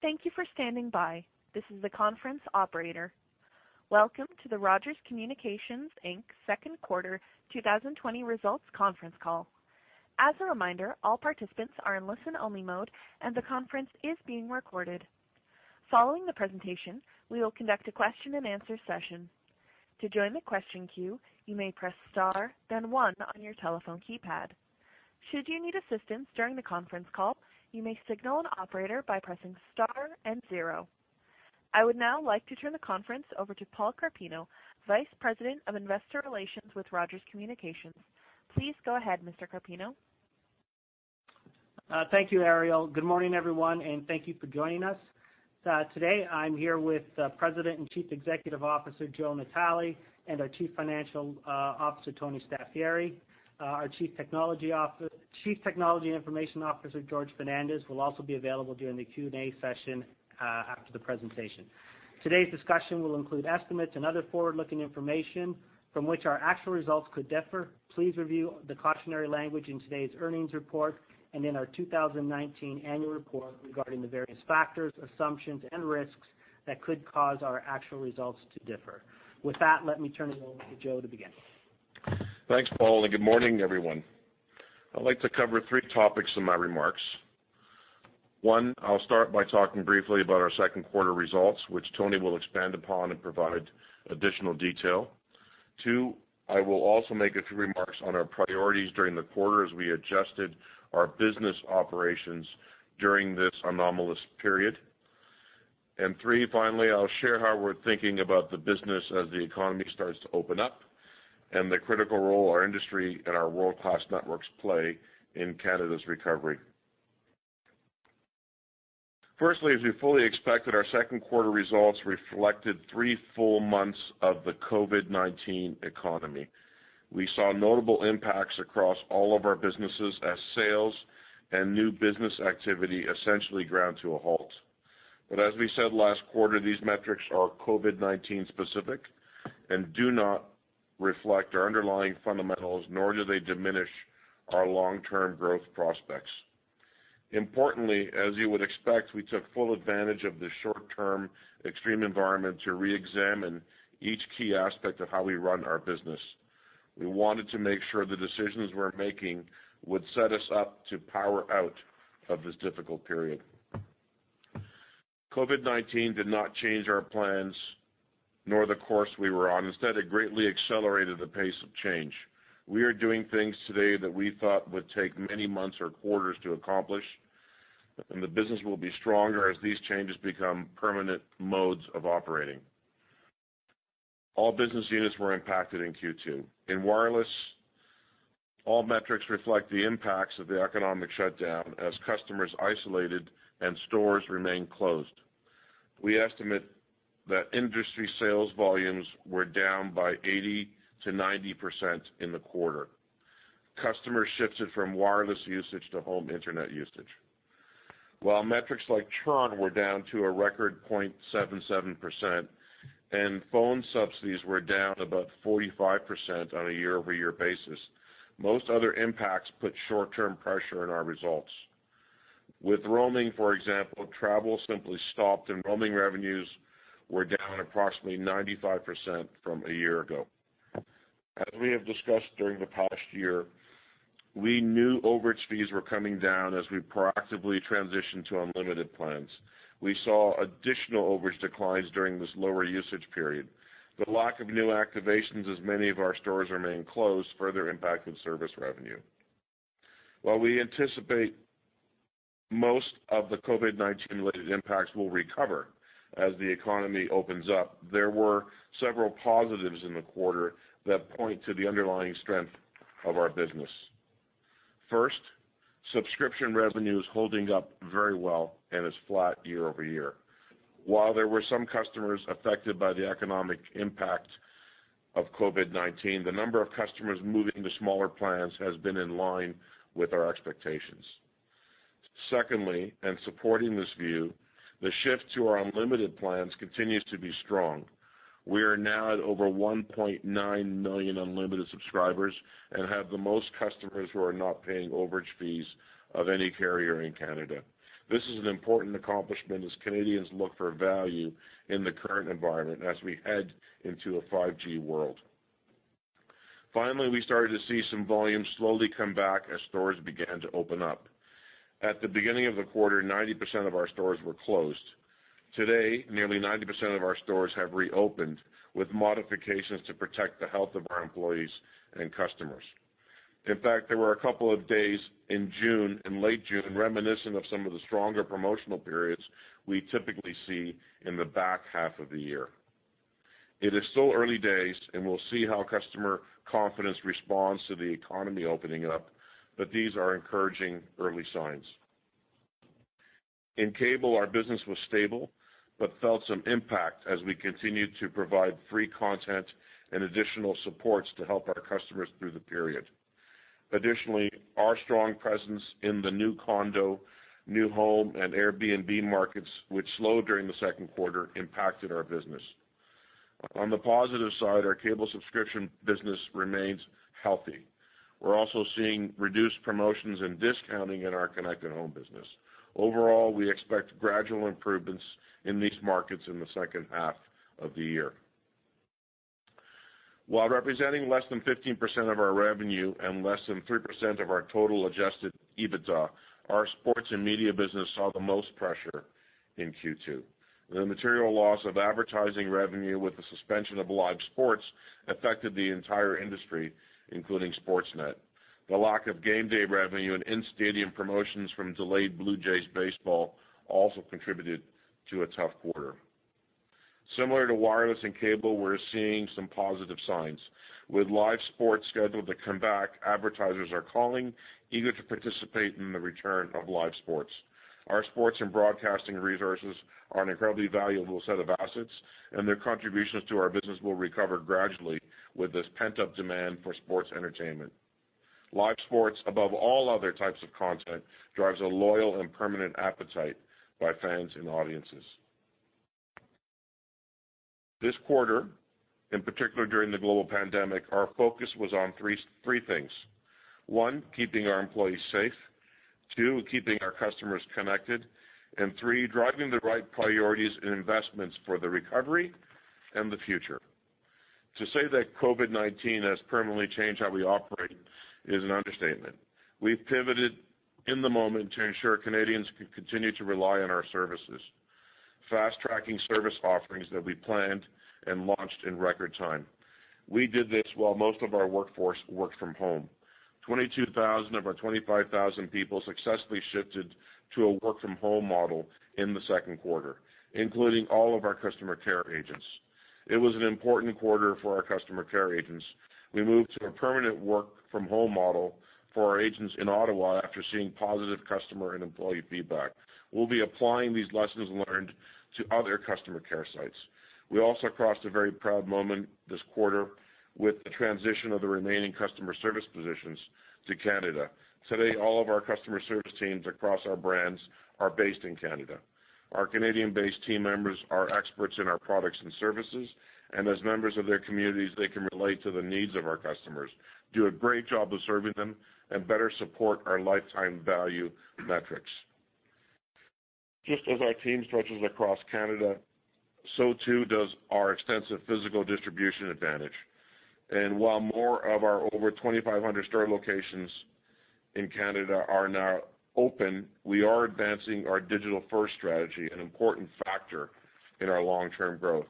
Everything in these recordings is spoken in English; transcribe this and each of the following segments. Thank you for standing by. This is the conference operator. Welcome to the Rogers Communications Inc. Second Quarter 2020 Results Conference Call. As a reminder, all participants are in listen-only mode, and the conference is being recorded. Following the presentation, we will conduct a question-and-answer session. To join the question queue, you may press star, then one on your telephone keypad. Should you need assistance during the conference call, you may signal an operator by pressing star and zero. I would now like to turn the conference over to Paul Carpino, Vice President of Investor Relations with Rogers Communications. Please go ahead, Mr. Carpino. Thank you, Ariel. Good morning, everyone, and thank you for joining us. Today, I'm here with President and Chief Executive Officer Joe Natale and our Chief Financial Officer, Tony Staffieri. Our Chief Technology and Information Officer, Jorge Fernandes, will also be available during the Q&A session after the presentation. Today's discussion will include estimates and other forward-looking information from which our actual results could differ. Please review the cautionary language in today's earnings report and in our 2019 annual report regarding the various factors, assumptions, and risks that could cause our actual results to differ. With that, let me turn it over to Joe to begin. Thanks, Paul, and good morning, everyone. I'd like to cover three topics in my remarks. One, I'll start by talking briefly about our second quarter results, which Tony will expand upon and provide additional detail. Two, I will also make a few remarks on our priorities during the quarter as we adjusted our business operations during this anomalous period. And three, finally, I'll share how we're thinking about the business as the economy starts to open up and the critical role our industry and our world-class networks play in Canada's recovery. Firstly, as you fully expected, our second quarter results reflected three full months of the COVID-19 economy. We saw notable impacts across all of our businesses as sales and new business activity essentially ground to a halt. But as we said last quarter, these metrics are COVID-19 specific and do not reflect our underlying fundamentals, nor do they diminish our long-term growth prospects. Importantly, as you would expect, we took full advantage of the short-term extreme environment to re-examine each key aspect of how we run our business. We wanted to make sure the decisions we're making would set us up to power out of this difficult period. COVID-19 did not change our plans nor the course we were on. Instead, it greatly accelerated the pace of change. We are doing things today that we thought would take many months or quarters to accomplish, and the business will be stronger as these changes become permanent modes of operating. All business units were impacted in Q2. In wireless, all metrics reflect the impacts of the economic shutdown as customers isolated and stores remained closed. We estimate that industry sales volumes were down by 80%-90% in the quarter. Customers shifted from wireless usage to home internet usage. While metrics like churn were down to a record 0.77% and phone subsidies were down about 45% on a year-over-year basis, most other impacts put short-term pressure on our results. With roaming, for example, travel simply stopped, and roaming revenues were down approximately 95% from a year ago. As we have discussed during the past year, we knew overage fees were coming down as we proactively transitioned to unlimited plans. We saw additional overage declines during this lower usage period. The lack of new activations as many of our stores remained closed further impacted service revenue. While we anticipate most of the COVID-19-related impacts will recover as the economy opens up, there were several positives in the quarter that point to the underlying strength of our business. First, subscription revenue is holding up very well and is flat year-over-year. While there were some customers affected by the economic impact of COVID-19, the number of customers moving to smaller plans has been in line with our expectations. Secondly, and supporting this view, the shift to our unlimited plans continues to be strong. We are now at over 1.9 million unlimited subscribers and have the most customers who are not paying overage fees of any carrier in Canada. This is an important accomplishment as Canadians look for value in the current environment as we head into a 5G world. Finally, we started to see some volume slowly come back as stores began to open up. At the beginning of the quarter, 90% of our stores were closed. Today, nearly 90% of our stores have reopened with modifications to protect the health of our employees and customers. In fact, there were a couple of days in June and late June reminiscent of some of the stronger promotional periods we typically see in the back half of the year. It is still early days, and we'll see how customer confidence responds to the economy opening up, but these are encouraging early signs. In cable, our business was stable but felt some impact as we continued to provide free content and additional supports to help our customers through the period. Additionally, our strong presence in the new condo, new home, and Airbnb markets, which slowed during the second quarter, impacted our business. On the positive side, our cable subscription business remains healthy. We're also seeing reduced promotions and discounting in our connected home business. Overall, we expect gradual improvements in these markets in the second half of the year. While representing less than 15% of our revenue and less than 3% of our total Adjusted EBITDA, our sports and media business saw the most pressure in Q2. The material loss of advertising revenue with the suspension of live sports affected the entire industry, including Sportsnet. The lack of game day revenue and in-stadium promotions from delayed Blue Jays baseball also contributed to a tough quarter. Similar to wireless and cable, we're seeing some positive signs. With live sports scheduled to come back, advertisers are calling, eager to participate in the return of live sports. Our sports and broadcasting resources are an incredibly valuable set of assets, and their contributions to our business will recover gradually with this pent-up demand for sports entertainment. Live sports, above all other types of content, drives a loyal and permanent appetite by fans and audiences. This quarter, in particular during the global pandemic, our focus was on three things: one, keeping our employees safe, two, keeping our customers connected, and three, driving the right priorities and investments for the recovery and the future. To say that COVID-19 has permanently changed how we operate is an understatement. We've pivoted in the moment to ensure Canadians can continue to rely on our services, fast-tracking service offerings that we planned and launched in record time. We did this while most of our workforce worked from home. 22,000 of our 25,000 people successfully shifted to a work-from-home model in the second quarter, including all of our customer care agents. It was an important quarter for our customer care agents. We moved to a permanent work-from-home model for our agents in Ottawa after seeing positive customer and employee feedback. We'll be applying these lessons learned to other customer care sites. We also crossed a very proud moment this quarter with the transition of the remaining customer service positions to Canada. Today, all of our customer service teams across our brands are based in Canada. Our Canadian-based team members are experts in our products and services, and as members of their communities, they can relate to the needs of our customers, do a great job of serving them, and better support our lifetime value metrics. Just as our team stretches across Canada, so too does our extensive physical distribution advantage. And while more of our over 2,500 store locations in Canada are now open, we are advancing our digital-first strategy, an important factor in our long-term growth.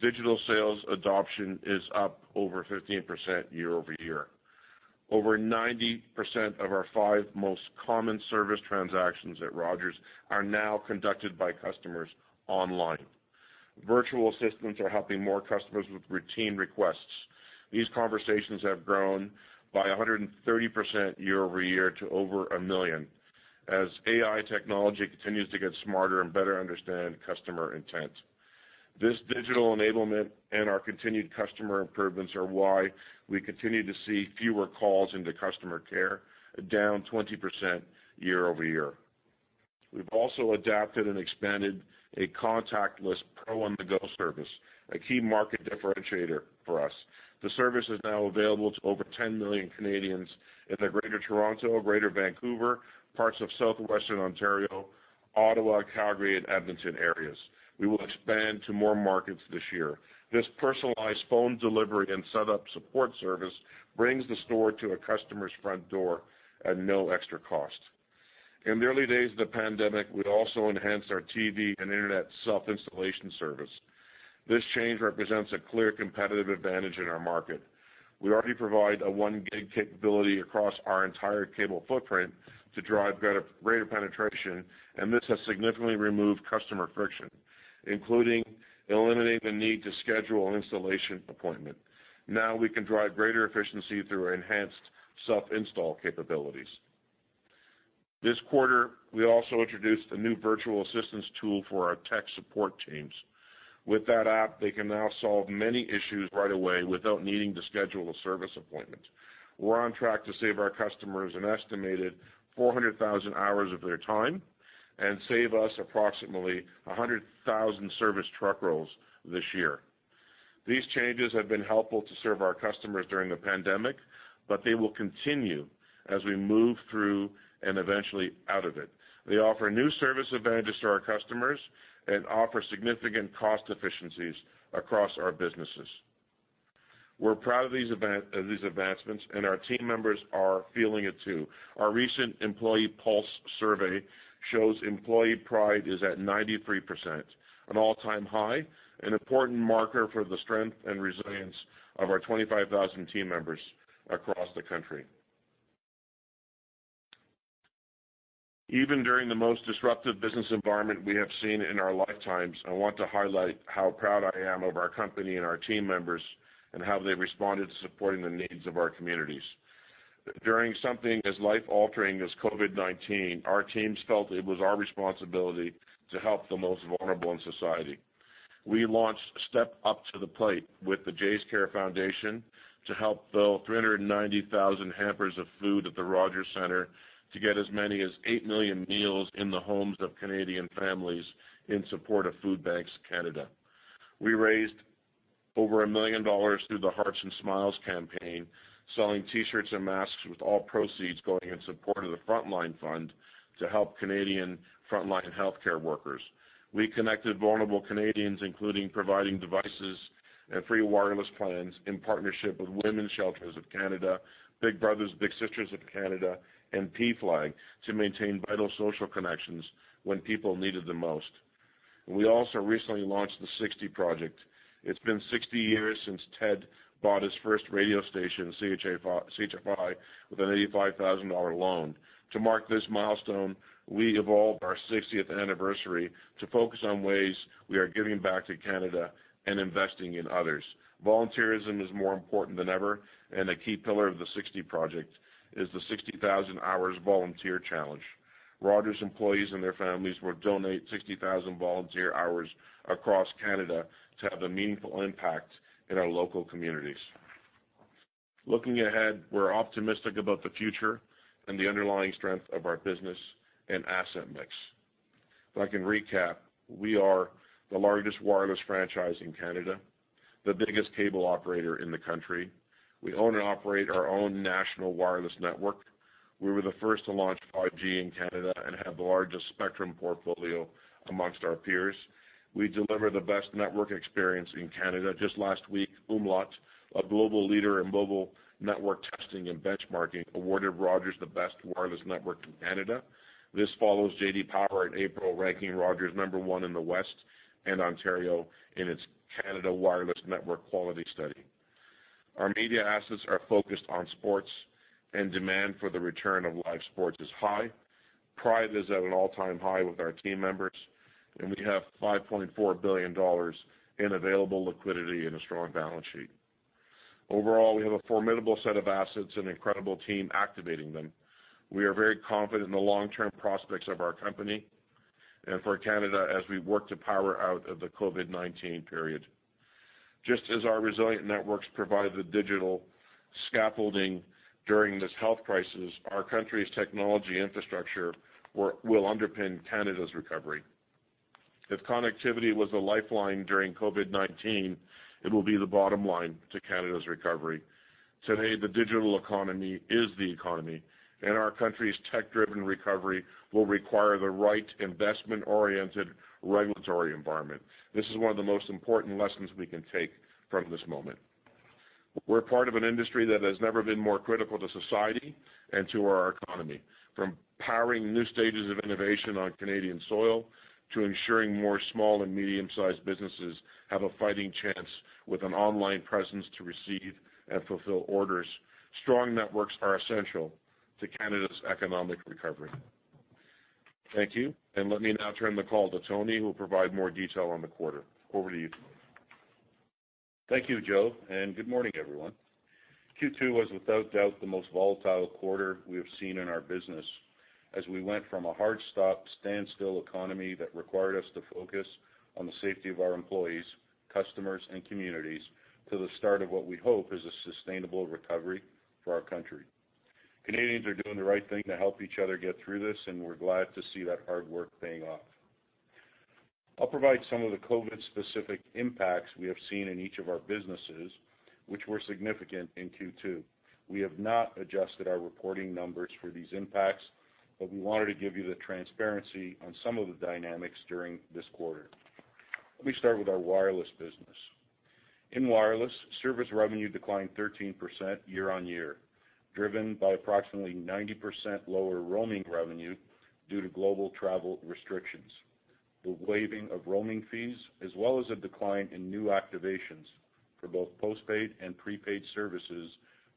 Digital sales adoption is up over 15% year-over-year. Over 90% of our five most common service transactions at Rogers are now conducted by customers online. Virtual assistants are helping more customers with routine requests. These conversations have grown by 130% year-over-year to over a million as AI technology continues to get smarter and better understand customer intent. This digital enablement and our continued customer improvements are why we continue to see fewer calls into customer care, down 20% year-over-year. We've also adapted and expanded a contactless, Pro On-the-Go service, a key market differentiator for us. The service is now available to over 10 million Canadians in the Greater Toronto, Greater Vancouver, parts of Southwestern Ontario, Ottawa, Calgary, and Edmonton areas. We will expand to more markets this year. This personalized phone delivery and setup support service brings the store to a customer's front door at no extra cost. In the early days of the pandemic, we also enhanced our TV and internet self-installation service. This change represents a clear competitive advantage in our market. We already provide a 1 gig capability across our entire cable footprint to drive greater penetration, and this has significantly removed customer friction, including eliminating the need to schedule an installation appointment. Now, we can drive greater efficiency through enhanced self-install capabilities. This quarter, we also introduced a new virtual assistance tool for our tech support teams. With that app, they can now solve many issues right away without needing to schedule a service appointment. We're on track to save our customers an estimated 400,000 hours of their time and save us approximately 100,000 service truck rolls this year. These changes have been helpful to serve our customers during the pandemic, but they will continue as we move through and eventually out of it. They offer new service advantages to our customers and offer significant cost efficiencies across our businesses. We're proud of these advancements, and our team members are feeling it too. Our recent employee pulse survey shows employee pride is at 93%, an all-time high, an important marker for the strength and resilience of our 25,000 team members across the country. Even during the most disruptive business environment we have seen in our lifetimes, I want to highlight how proud I am of our company and our team members and how they've responded to supporting the needs of our communities. During something as life-altering as COVID-19, our teams felt it was our responsibility to help the most vulnerable in society. We launched Step Up to the Plate with the Jays Care Foundation to help fill 390,000 hampers of food at the Rogers Centre to get as many as 8 million meals in the homes of Canadian families in support of Food Banks Canada. We raised over 1 million dollars through the Hearts and Smiles campaign, selling T-shirts and masks with all proceeds going in support of the Frontline Fund to help Canadian frontline healthcare workers. We connected vulnerable Canadians, including providing devices and free wireless plans in partnership with Women's Shelters of Canada, Big Brothers Big Sisters of Canada, and PFLAG to maintain vital social connections when people needed them most. We also recently launched the 60 Project. It's been 60 years since Ted bought his first radio station, CHFI, with a 85,000 dollar loan. To mark this milestone, we evolved our 60th anniversary to focus on ways we are giving back to Canada and investing in others. Volunteerism is more important than ever, and a key pillar of the 60 Project is the 60,000 hours volunteer challenge. Rogers employees and their families will donate 60,000 volunteer hours across Canada to have a meaningful impact in our local communities. Looking ahead, we're optimistic about the future and the underlying strength of our business and asset mix. If I can recap, we are the largest wireless franchise in Canada, the biggest cable operator in the country. We own and operate our own national wireless network. We were the first to launch 5G in Canada and have the largest spectrum portfolio amongst our peers. We deliver the best network experience in Canada. Just last week, umlaut, a global leader in mobile network testing and benchmarking, awarded Rogers the best wireless network in Canada. This follows J.D. Power in April, ranking Rogers number one in the West and Ontario in its Canada wireless network quality study. Our media assets are focused on sports, and demand for the return of live sports is high. Pride is at an all-time high with our team members, and we have 5.4 billion dollars in available liquidity and a strong balance sheet. Overall, we have a formidable set of assets and an incredible team activating them. We are very confident in the long-term prospects of our company and for Canada as we work to power out of the COVID-19 period. Just as our resilient networks provide the digital scaffolding during this health crisis, our country's technology infrastructure will underpin Canada's recovery. If connectivity was a lifeline during COVID-19, it will be the bottom line to Canada's recovery. Today, the digital economy is the economy, and our country's tech-driven recovery will require the right investment-oriented regulatory environment. This is one of the most important lessons we can take from this moment. We're part of an industry that has never been more critical to society and to our economy. From powering new stages of innovation on Canadian soil to ensuring more small and medium-sized businesses have a fighting chance with an online presence to receive and fulfill orders, strong networks are essential to Canada's economic recovery. Thank you, and let me now turn the call to Tony, who will provide more detail on the quarter. Over to you. Thank you, Joe, and good morning, everyone. Q2 was, without doubt, the most volatile quarter we have seen in our business as we went from a hard-stop, standstill economy that required us to focus on the safety of our employees, customers, and communities to the start of what we hope is a sustainable recovery for our country. Canadians are doing the right thing to help each other get through this, and we're glad to see that hard work paying off. I'll provide some of the COVID-specific impacts we have seen in each of our businesses, which were significant in Q2. We have not adjusted our reporting numbers for these impacts, but we wanted to give you the transparency on some of the dynamics during this quarter. Let me start with our wireless business. In wireless, service revenue declined 13% year-on-year, driven by approximately 90% lower roaming revenue due to global travel restrictions, the waiving of roaming fees, as well as a decline in new activations for both postpaid and prepaid services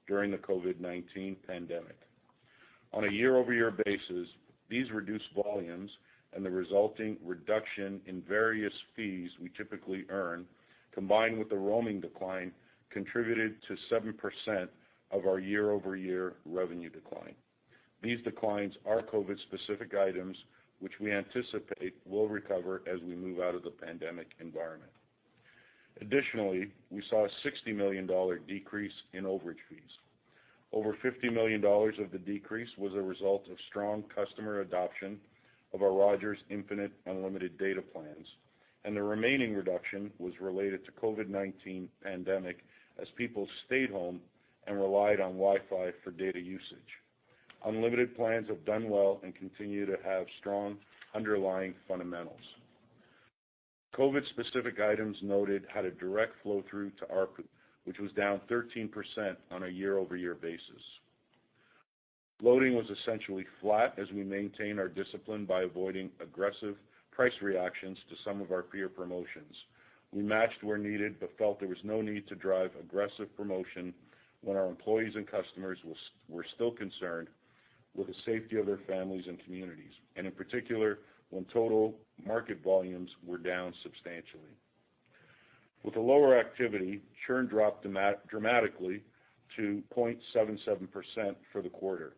during the COVID-19 pandemic. On a year-over-year basis, these reduced volumes and the resulting reduction in various fees we typically earn, combined with the roaming decline, contributed to 7% of our year-over-year revenue decline. These declines are COVID-specific items, which we anticipate will recover as we move out of the pandemic environment. Additionally, we saw a 60 million dollar decrease in overage fees. Over 50 million dollars of the decrease was a result of strong customer adoption of our Rogers Infinite unlimited data plans, and the remaining reduction was related to the COVID-19 pandemic as people stayed home and relied on Wi-Fi for data usage. Unlimited plans have done well and continue to have strong underlying fundamentals. COVID-specific items noted had a direct flow-through to our service revenue which was down 13% on a year-over-year basis. Loading was essentially flat as we maintained our discipline by avoiding aggressive price reactions to some of our peer promotions. We matched where needed but felt there was no need to drive aggressive promotion when our employees and customers were still concerned with the safety of their families and communities, and in particular when total market volumes were down substantially. With the lower activity, churn dropped dramatically to 0.77% for the quarter.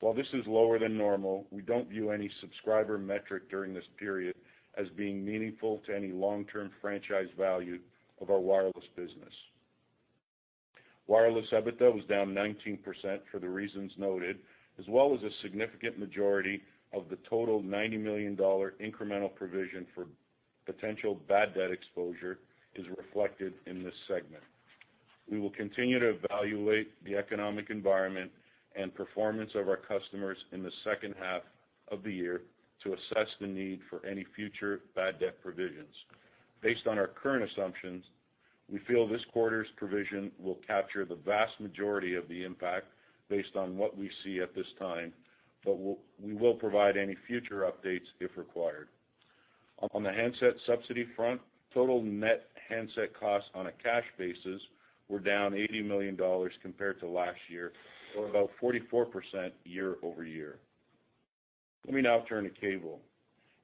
While this is lower than normal, we don't view any subscriber metric during this period as being meaningful to any long-term franchise value of our wireless business. Wireless EBITDA was down 19% for the reasons noted, as well as a significant majority of the total 90 million dollar incremental provision for potential bad debt exposure is reflected in this segment. We will continue to evaluate the economic environment and performance of our customers in the second half of the year to assess the need for any future bad debt provisions. Based on our current assumptions, we feel this quarter's provision will capture the vast majority of the impact based on what we see at this time, but we will provide any future updates if required. On the handset subsidy front, total net handset costs on a cash basis were down 80 million dollars compared to last year, or about 44% year-over-year. Let me now turn to cable.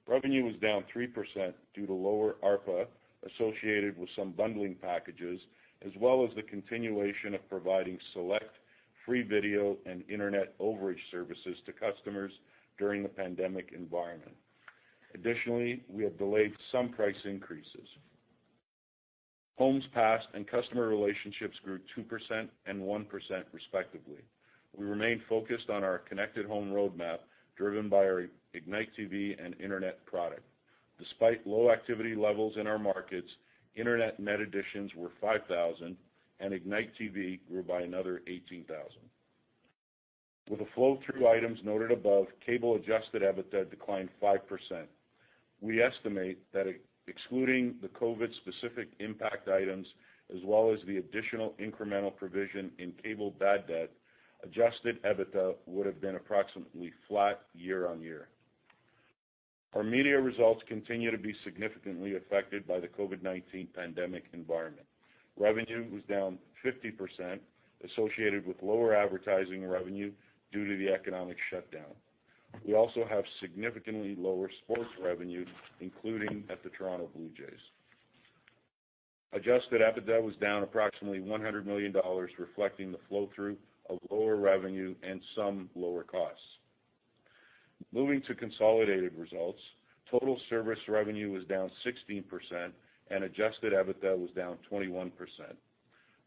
Revenue was down 3% due to lower ARPA associated with some bundling packages, as well as the continuation of providing select free video and internet overage services to customers during the pandemic environment. Additionally, we have delayed some price increases. Homes passed, and customer relationships grew 2% and 1%, respectively. We remained focused on our connected home roadmap driven by our Ignite TV and internet product. Despite low activity levels in our markets, internet net additions were 5,000, and Ignite TV grew by another 18,000. With the flow-through items noted above, cable-adjusted EBITDA declined 5%. We estimate that excluding the COVID-specific impact items, as well as the additional incremental provision in cable bad debt, Adjusted EBITDA would have been approximately flat year-on-year. Our media results continue to be significantly affected by the COVID-19 pandemic environment. Revenue was down 50%, associated with lower advertising revenue due to the economic shutdown. We also have significantly lower sports revenue, including at the Toronto Blue Jays. Adjusted EBITDA was down approximately 100 million dollars, reflecting the flow-through of lower revenue and some lower costs. Moving to consolidated results, total service revenue was down 16%, and Adjusted EBITDA was down 21%.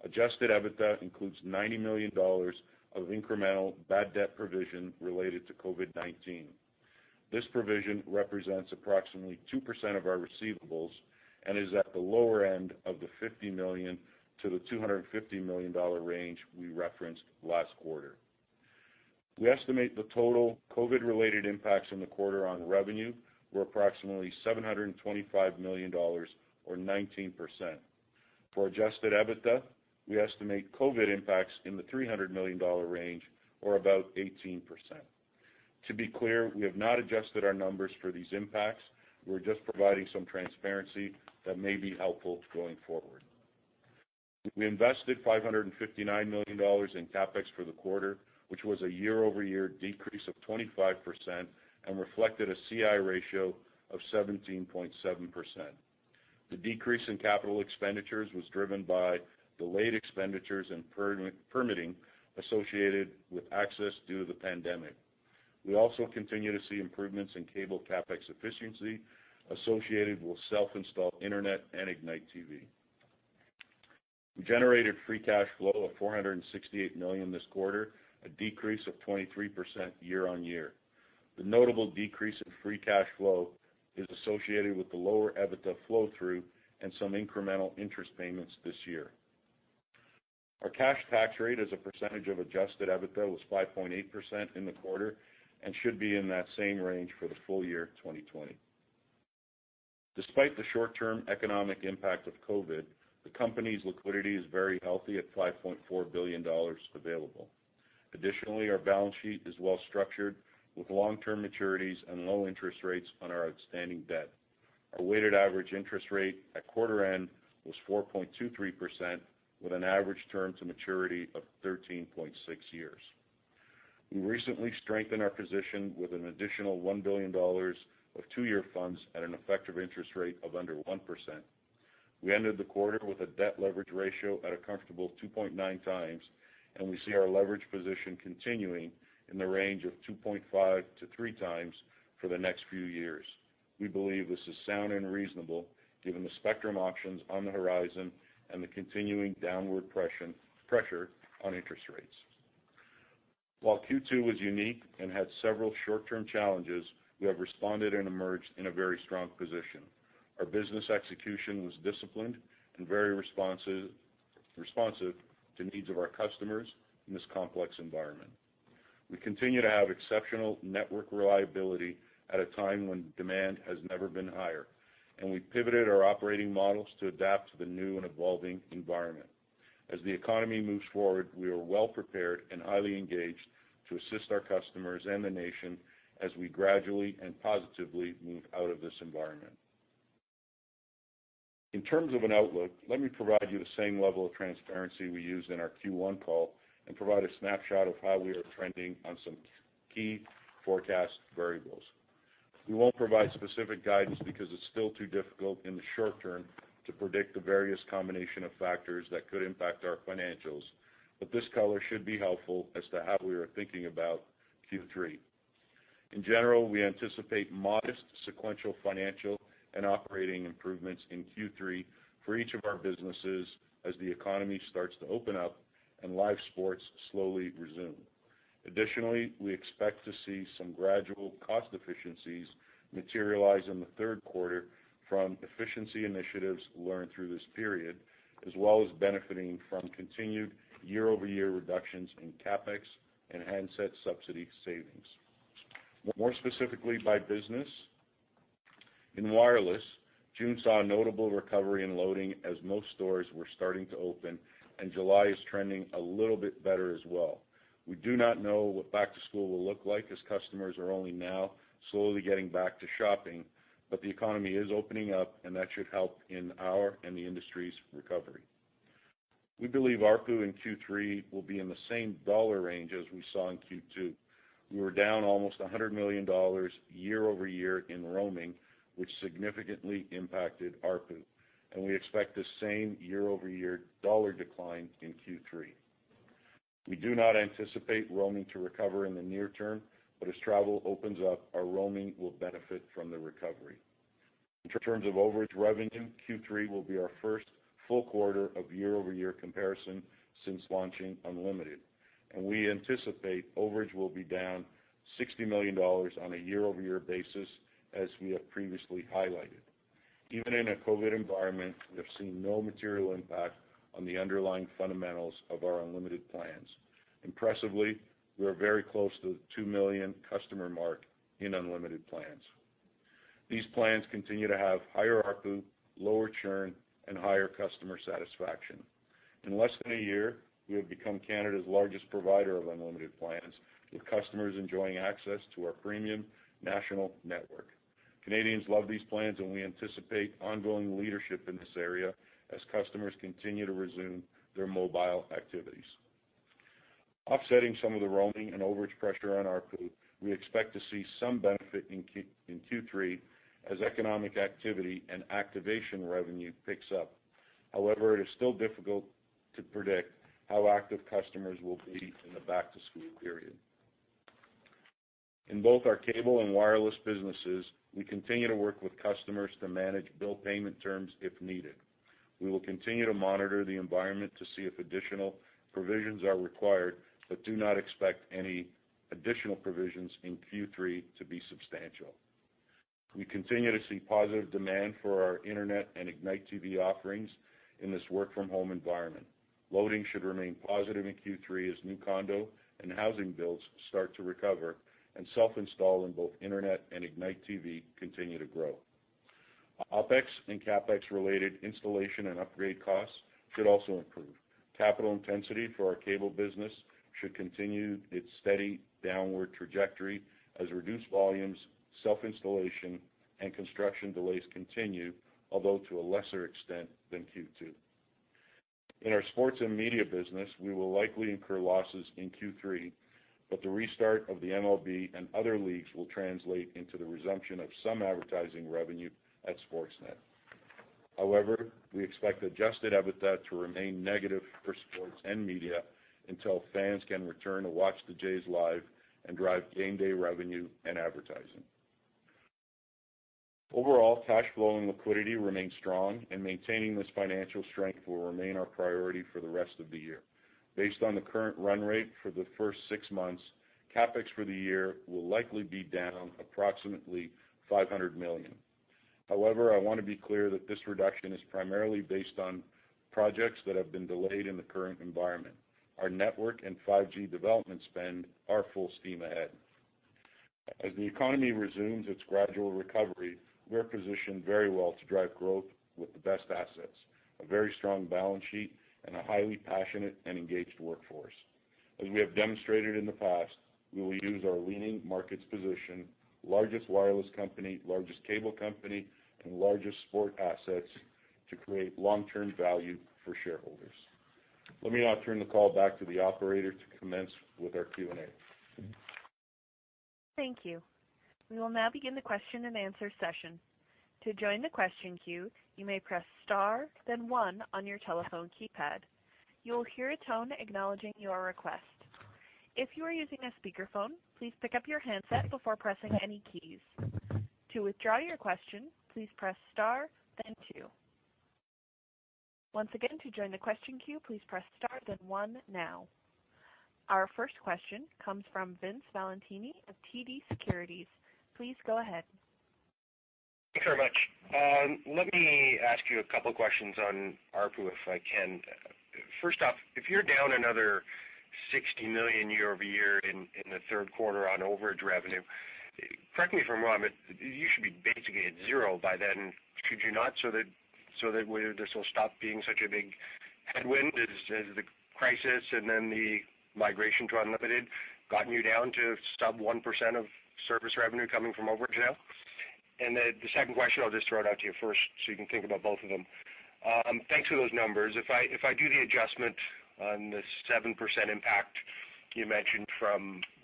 Adjusted EBITDA includes 90 million dollars of incremental bad debt provision related to COVID-19. This provision represents approximately 2% of our receivables and is at the lower end of the 50 million-250 million dollar range we referenced last quarter. We estimate the total COVID-related impacts in the quarter on revenue were approximately 725 million dollars, or 19%. For adjusted EBITDA, we estimate COVID impacts in the 300 million dollar range, or about 18%. To be clear, we have not adjusted our numbers for these impacts. We're just providing some transparency that may be helpful going forward. We invested 559 million dollars in CapEx for the quarter, which was a year-over-year decrease of 25% and reflected a CI ratio of 17.7%. The decrease in capital expenditures was driven by delayed expenditures and permitting associated with access due to the pandemic. We also continue to see improvements in cable CapEx efficiency associated with self-installed internet and Ignite TV. We generated free cash flow of 468 million this quarter, a decrease of 23% year-on-year. The notable decrease in free cash flow is associated with the lower EBITDA flow-through and some incremental interest payments this year. Our cash tax rate as a percentage of adjusted EBITDA was 5.8% in the quarter and should be in that same range for the full year 2020. Despite the short-term economic impact of COVID, the company's liquidity is very healthy at 5.4 billion dollars available. Additionally, our balance sheet is well-structured with long-term maturities and low interest rates on our outstanding debt. Our weighted average interest rate at quarter end was 4.23%, with an average term to maturity of 13.6 years. We recently strengthened our position with an additional 1 billion dollars of two-year funds at an effective interest rate of under 1%. We ended the quarter with a debt leverage ratio at a comfortable 2.9 times, and we see our leverage position continuing in the range of 2.5 to 3 times for the next few years. We believe this is sound and reasonable, given the spectrum options on the horizon and the continuing downward pressure on interest rates. While Q2 was unique and had several short-term challenges, we have responded and emerged in a very strong position. Our business execution was disciplined and very responsive to the needs of our customers in this complex environment. We continue to have exceptional network reliability at a time when demand has never been higher, and we pivoted our operating models to adapt to the new and evolving environment. As the economy moves forward, we are well-prepared and highly engaged to assist our customers and the nation as we gradually and positively move out of this environment. In terms of an outlook, let me provide you the same level of transparency we used in our Q1 call and provide a snapshot of how we are trending on some key forecast variables. We won't provide specific guidance because it's still too difficult in the short term to predict the various combination of factors that could impact our financials, but this color should be helpful as to how we are thinking about Q3. In general, we anticipate modest sequential financial and operating improvements in Q3 for each of our businesses as the economy starts to open up and live sports slowly resume. Additionally, we expect to see some gradual cost efficiencies materialize in the third quarter from efficiency initiatives learned through this period, as well as benefiting from continued year-over-year reductions in CapEx and handset subsidy savings. More specifically by business, in wireless, June saw a notable recovery in loading as most stores were starting to open, and July is trending a little bit better as well. We do not know what back-to-school will look like as customers are only now slowly getting back to shopping, but the economy is opening up, and that should help in our and the industry's recovery. We believe ARPU in Q3 will be in the same dollar range as we saw in Q2. We were down almost 100 million dollars year-over-year in roaming, which significantly impacted ARPU, and we expect the same year-over-year dollar decline in Q3. We do not anticipate roaming to recover in the near term, but as travel opens up, our roaming will benefit from the recovery. In terms of overage revenue, Q3 will be our first full quarter of year-over-year comparison since launching Unlimited, and we anticipate overage will be down 60 million dollars on a year-over-year basis, as we have previously highlighted. Even in a COVID environment, we have seen no material impact on the underlying fundamentals of our unlimited plans. Impressively, we are very close to the 2 million customer mark in unlimited plans. These plans continue to have higher ARPU, lower churn, and higher customer satisfaction. In less than a year, we have become Canada's largest provider of unlimited plans, with customers enjoying access to our premium national network. Canadians love these plans, and we anticipate ongoing leadership in this area as customers continue to resume their mobile activities. Offsetting some of the roaming and overage pressure on ARPU, we expect to see some benefit in Q3 as economic activity and activation revenue picks up. However, it is still difficult to predict how active customers will be in the back-to-school period. In both our cable and wireless businesses, we continue to work with customers to manage bill payment terms if needed. We will continue to monitor the environment to see if additional provisions are required, but do not expect any additional provisions in Q3 to be substantial. We continue to see positive demand for our internet and Ignite TV offerings in this work-from-home environment. Loading should remain positive in Q3 as new condo and housing builds start to recover, and self-install in both internet and Ignite TV continue to grow. OpEx and CapEx-related installation and upgrade costs should also improve. Capital intensity for our cable business should continue its steady downward trajectory as reduced volumes, self-installation, and construction delays continue, although to a lesser extent than Q2. In our sports and media business, we will likely incur losses in Q3, but the restart of the MLB and other leagues will translate into the resumption of some advertising revenue at Sportsnet. However, we expect Adjusted EBITDA to remain negative for sports and media until fans can return to watch the Jays live and drive game day revenue and advertising. Overall, cash flow and liquidity remain strong, and maintaining this financial strength will remain our priority for the rest of the year. Based on the current run rate for the first six months, CapEx for the year will likely be down approximately 500 million. However, I want to be clear that this reduction is primarily based on projects that have been delayed in the current environment. Our network and 5G development spend are full steam ahead. As the economy resumes its gradual recovery, we are positioned very well to drive growth with the best assets: a very strong balance sheet and a highly passionate and engaged workforce. As we have demonstrated in the past, we will use our leading market position, largest wireless company, largest cable company, and largest sports assets to create long-term value for shareholders. Let me now turn the call back to the operator to commence with our Q&A. Thank you. We will now begin the question and answer session. To join the question queue, you may press star, then one on your telephone keypad. You will hear a tone acknowledging your request. If you are using a speakerphone, please pick up your handset before pressing any keys. To withdraw your question, please press star, then two. Once again, to join the question queue, please press star, then one now. Our first question comes from Vince Valentini of TD Securities. Please go ahead. Thanks very much. Let me ask you a couple of questions on ARPU, if I can. First off, if you're down another 60 million year-over-year in the third quarter on overage revenue, correct me if I'm wrong, but you should be basically at zero by then, should you not? So that this will stop being such a big headwind as the crisis and then the migration to unlimited gotten you down to sub-1% of service revenue coming from overage now? The second question, I'll just throw it out to you first so you can think about both of them. Thanks for those numbers. If I do the adjustment on the 7% impact you mentioned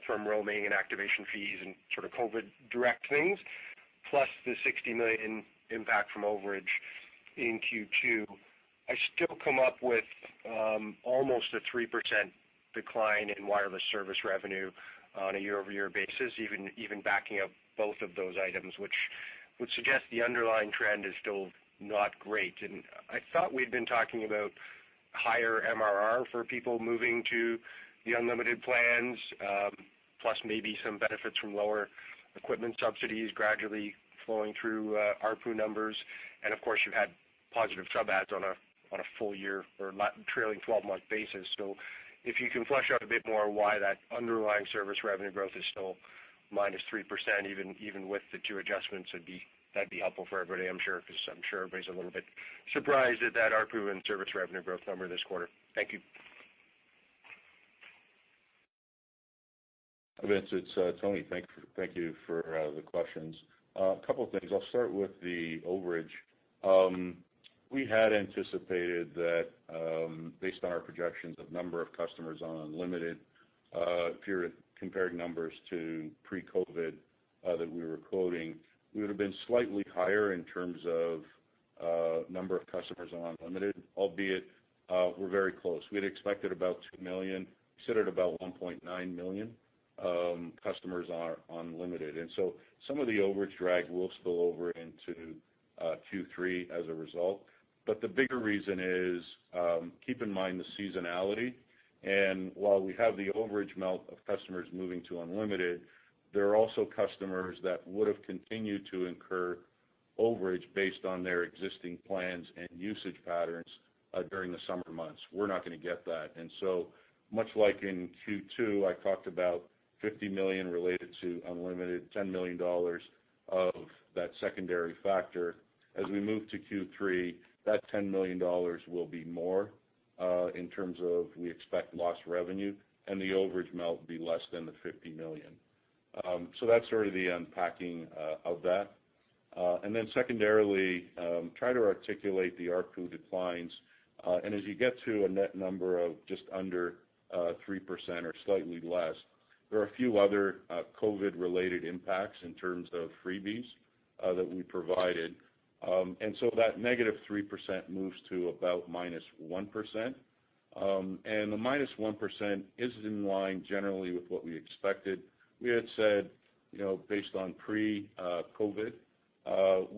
from roaming and activation fees and sort of COVID-direct things, plus the 60 million impact from overage in Q2, I still come up with almost a 3% decline in wireless service revenue on a year-over-year basis, even backing up both of those items, which would suggest the underlying trend is still not great. I thought we'd been talking about higher MRR for people moving to the unlimited plans, plus maybe some benefits from lower equipment subsidies gradually flowing through ARPU numbers. Of course, you've had positive trade backs on a full year or trailing 12-month basis. So, if you can flesh out a bit more why that underlying service revenue growth is still -3%, even with the two adjustments, that'd be helpful for everybody, I'm sure, because I'm sure everybody's a little bit surprised at that ARPU and service revenue growth number this quarter. Thank you. I'm interested. Tony, thank you for the questions. A couple of things. I'll start with the overage. We had anticipated that, based on our projections of number of customers on unlimited, if you were to compare numbers to pre-COVID that we were quoting, we would have been slightly higher in terms of number of customers on unlimited, albeit we're very close. We had expected about 2 million. We said at about 1.9 million customers on unlimited. And so some of the overage drag will spill over into Q3 as a result. But the bigger reason is. Keep in mind the seasonality. And while we have the overage melt of customers moving to unlimited, there are also customers that would have continued to incur overage based on their existing plans and usage patterns during the summer months. We're not going to get that. And so, much like in Q2, I talked about 50 million related to unlimited, 10 million dollars of that secondary factor. As we move to Q3, that 10 million dollars will be more in terms of we expect lost revenue, and the overage melt will be less than the 50 million. So that's sort of the unpacking of that. And then secondarily, try to articulate the ARPU declines. And as you get to a net number of just under 3% or slightly less, there are a few other COVID-related impacts in terms of freebies that we provided. And so that negative 3% moves to about minus 1%. And the minus 1% is in line generally with what we expected. We had said, based on pre-COVID,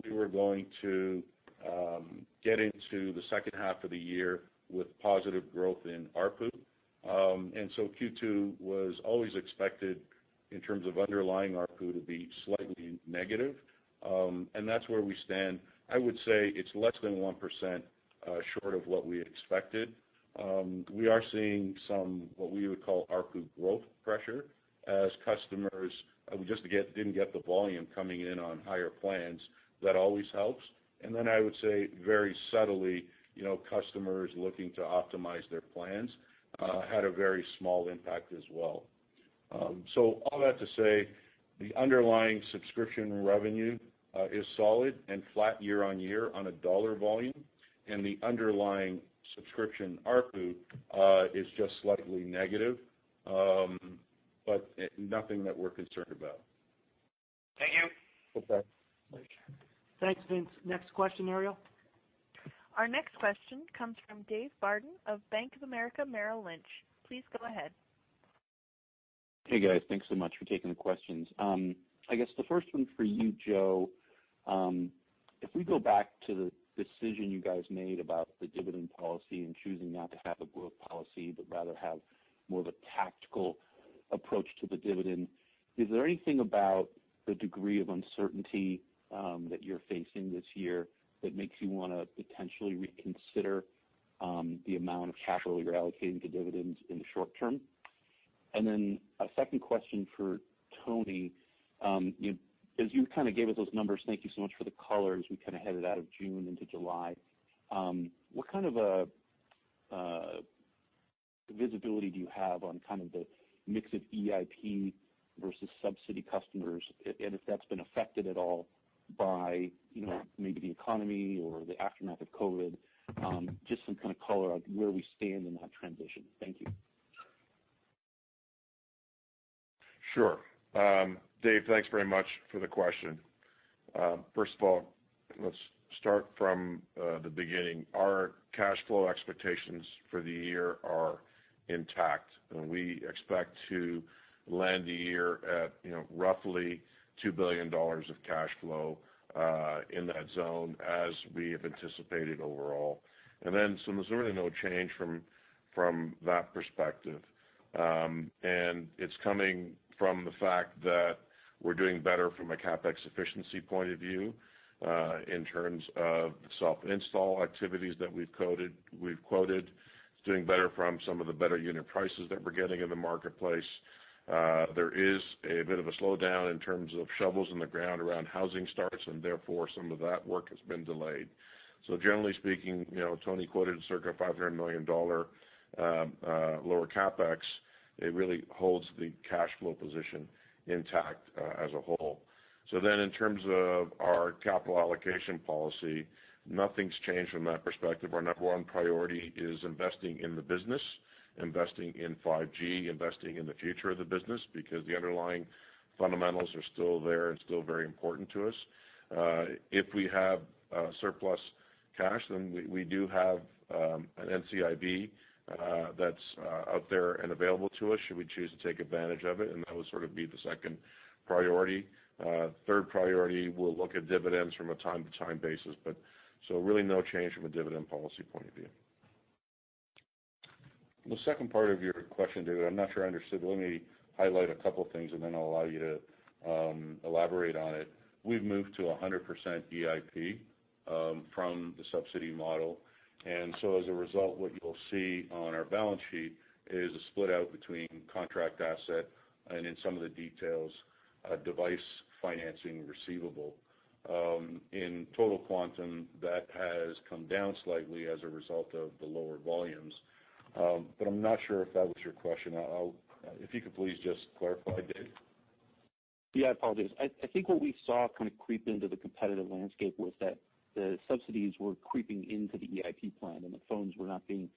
we were going to get into the second half of the year with positive growth in ARPU. And so Q2 was always expected in terms of underlying ARPU to be slightly negative. And that's where we stand. I would say it's less than 1% short of what we expected. We are seeing some what we would call ARPU growth pressure as customers just didn't get the volume coming in on higher plans. That always helps. And then I would say very subtly, customers looking to optimize their plans had a very small impact as well. So all that to say, the underlying subscription revenue is solid and flat year-on-year on a dollar volume, and the underlying subscription ARPU is just slightly negative, but nothing that we're concerned about. Thank you. Thanks, Vince. Next question, Ariel? Our next question comes from Dave Barden of Bank of America Merrill Lynch. Please go ahead. Hey, guys. Thanks so much for taking the questions. I guess the first one for you, Joe, if we go back to the decision you guys made about the dividend policy and choosing not to have a growth policy but rather have more of a tactical approach to the dividend, is there anything about the degree of uncertainty that you're facing this year that makes you want to potentially reconsider the amount of capital you're allocating to dividends in the short term? And then a second question for Tony. As you kind of gave us those numbers, thank you so much for the color as we kind of headed out of June into July. What kind of visibility do you have on kind of the mix of EIP versus subsidy customers, and if that's been affected at all by maybe the economy or the aftermath of COVID? Just some kind of color on where we stand in that transition. Thank you. Sure. Dave, thanks very much for the question. First of all, let's start from the beginning. Our cash flow expectations for the year are intact, and we expect to land the year at roughly 2 billion dollars of cash flow in that zone as we have anticipated overall. And then so there's really no change from that perspective. It's coming from the fact that we're doing better from a CapEx efficiency point of view in terms of self-install activities that we've quoted. It's doing better from some of the better unit prices that we're getting in the marketplace. There is a bit of a slowdown in terms of shovels in the ground around housing starts, and therefore some of that work has been delayed. Generally speaking, Tony quoted a circa $500 million lower CapEx. It really holds the cash flow position intact as a whole. Then in terms of our capital allocation policy, nothing's changed from that perspective. Our number one priority is investing in the business, investing in 5G, investing in the future of the business because the underlying fundamentals are still there and still very important to us. If we have surplus cash, then we do have an NCIB that's out there and available to us. Should we choose to take advantage of it? And that would sort of be the second priority. Third priority, we'll look at dividends from a time-to-time basis. But so really no change from a dividend policy point of view. The second part of your question, David, I'm not sure I understood. Let me highlight a couple of things, and then I'll allow you to elaborate on it. We've moved to 100% EIP from the subsidy model. And so as a result, what you'll see on our balance sheet is a split out between contract asset and, in some of the details, device financing receivable. In total quantum, that has come down slightly as a result of the lower volumes. But I'm not sure if that was your question. If you could please just clarify, Dave. Yeah, I apologize. I think what we saw kind of creep into the competitive landscape was that the subsidies were creeping into the EIP plan, and the phones were not being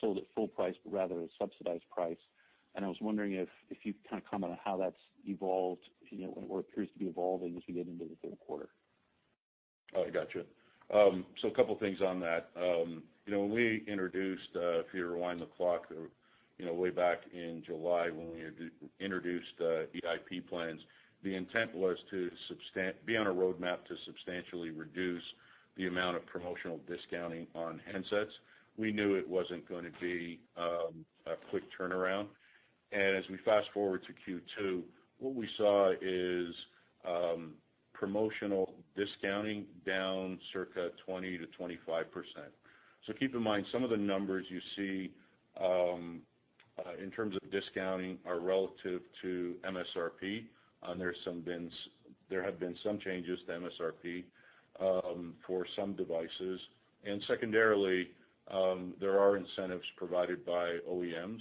sold at full price but rather at a subsidized price, and I was wondering if you could kind of comment on how that's evolved or appears to be evolving as we get into the third quarter. All right. Gotcha. So a couple of things on that. When we introduced, if you rewind the clock way back in July when we introduced EIP plans, the intent was to be on a roadmap to substantially reduce the amount of promotional discounting on handsets. We knew it wasn't going to be a quick turnaround, and as we fast forward to Q2, what we saw is promotional discounting down circa 20%-25%. So keep in mind, some of the numbers you see in terms of discounting are relative to MSRP. There have been some changes to MSRP for some devices. And secondarily, there are incentives provided by OEMs,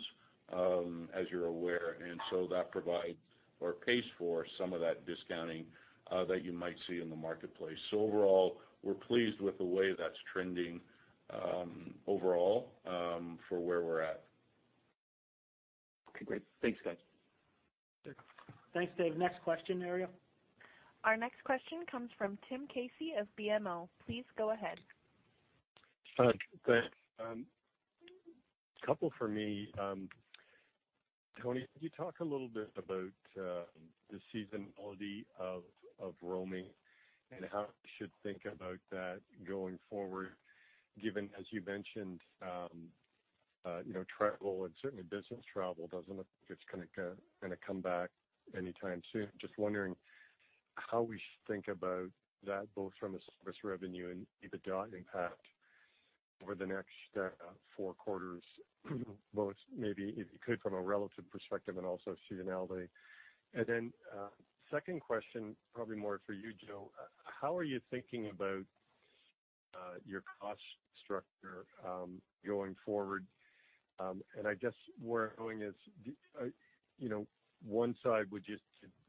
as you're aware. And so that provides or pays for some of that discounting that you might see in the marketplace. So overall, we're pleased with the way that's trending overall for where we're at. Okay. Great. Thanks, guys. Thanks, Dave. Next question, Ariel? Our next question comes from Tim Casey of BMO. Please go ahead. Thanks. A couple for me. Tony, could you talk a little bit about the seasonality of roaming and how we should think about that going forward, given, as you mentioned, travel and certainly business travel doesn't look like it's going to come back anytime soon? Just wondering how we should think about that both from a service revenue and even debt impact over the next four quarters, both maybe if you could from a relative perspective and also seasonality. Then second question, probably more for you, Joe, how are you thinking about your cost structure going forward? I guess where roaming is, one side would just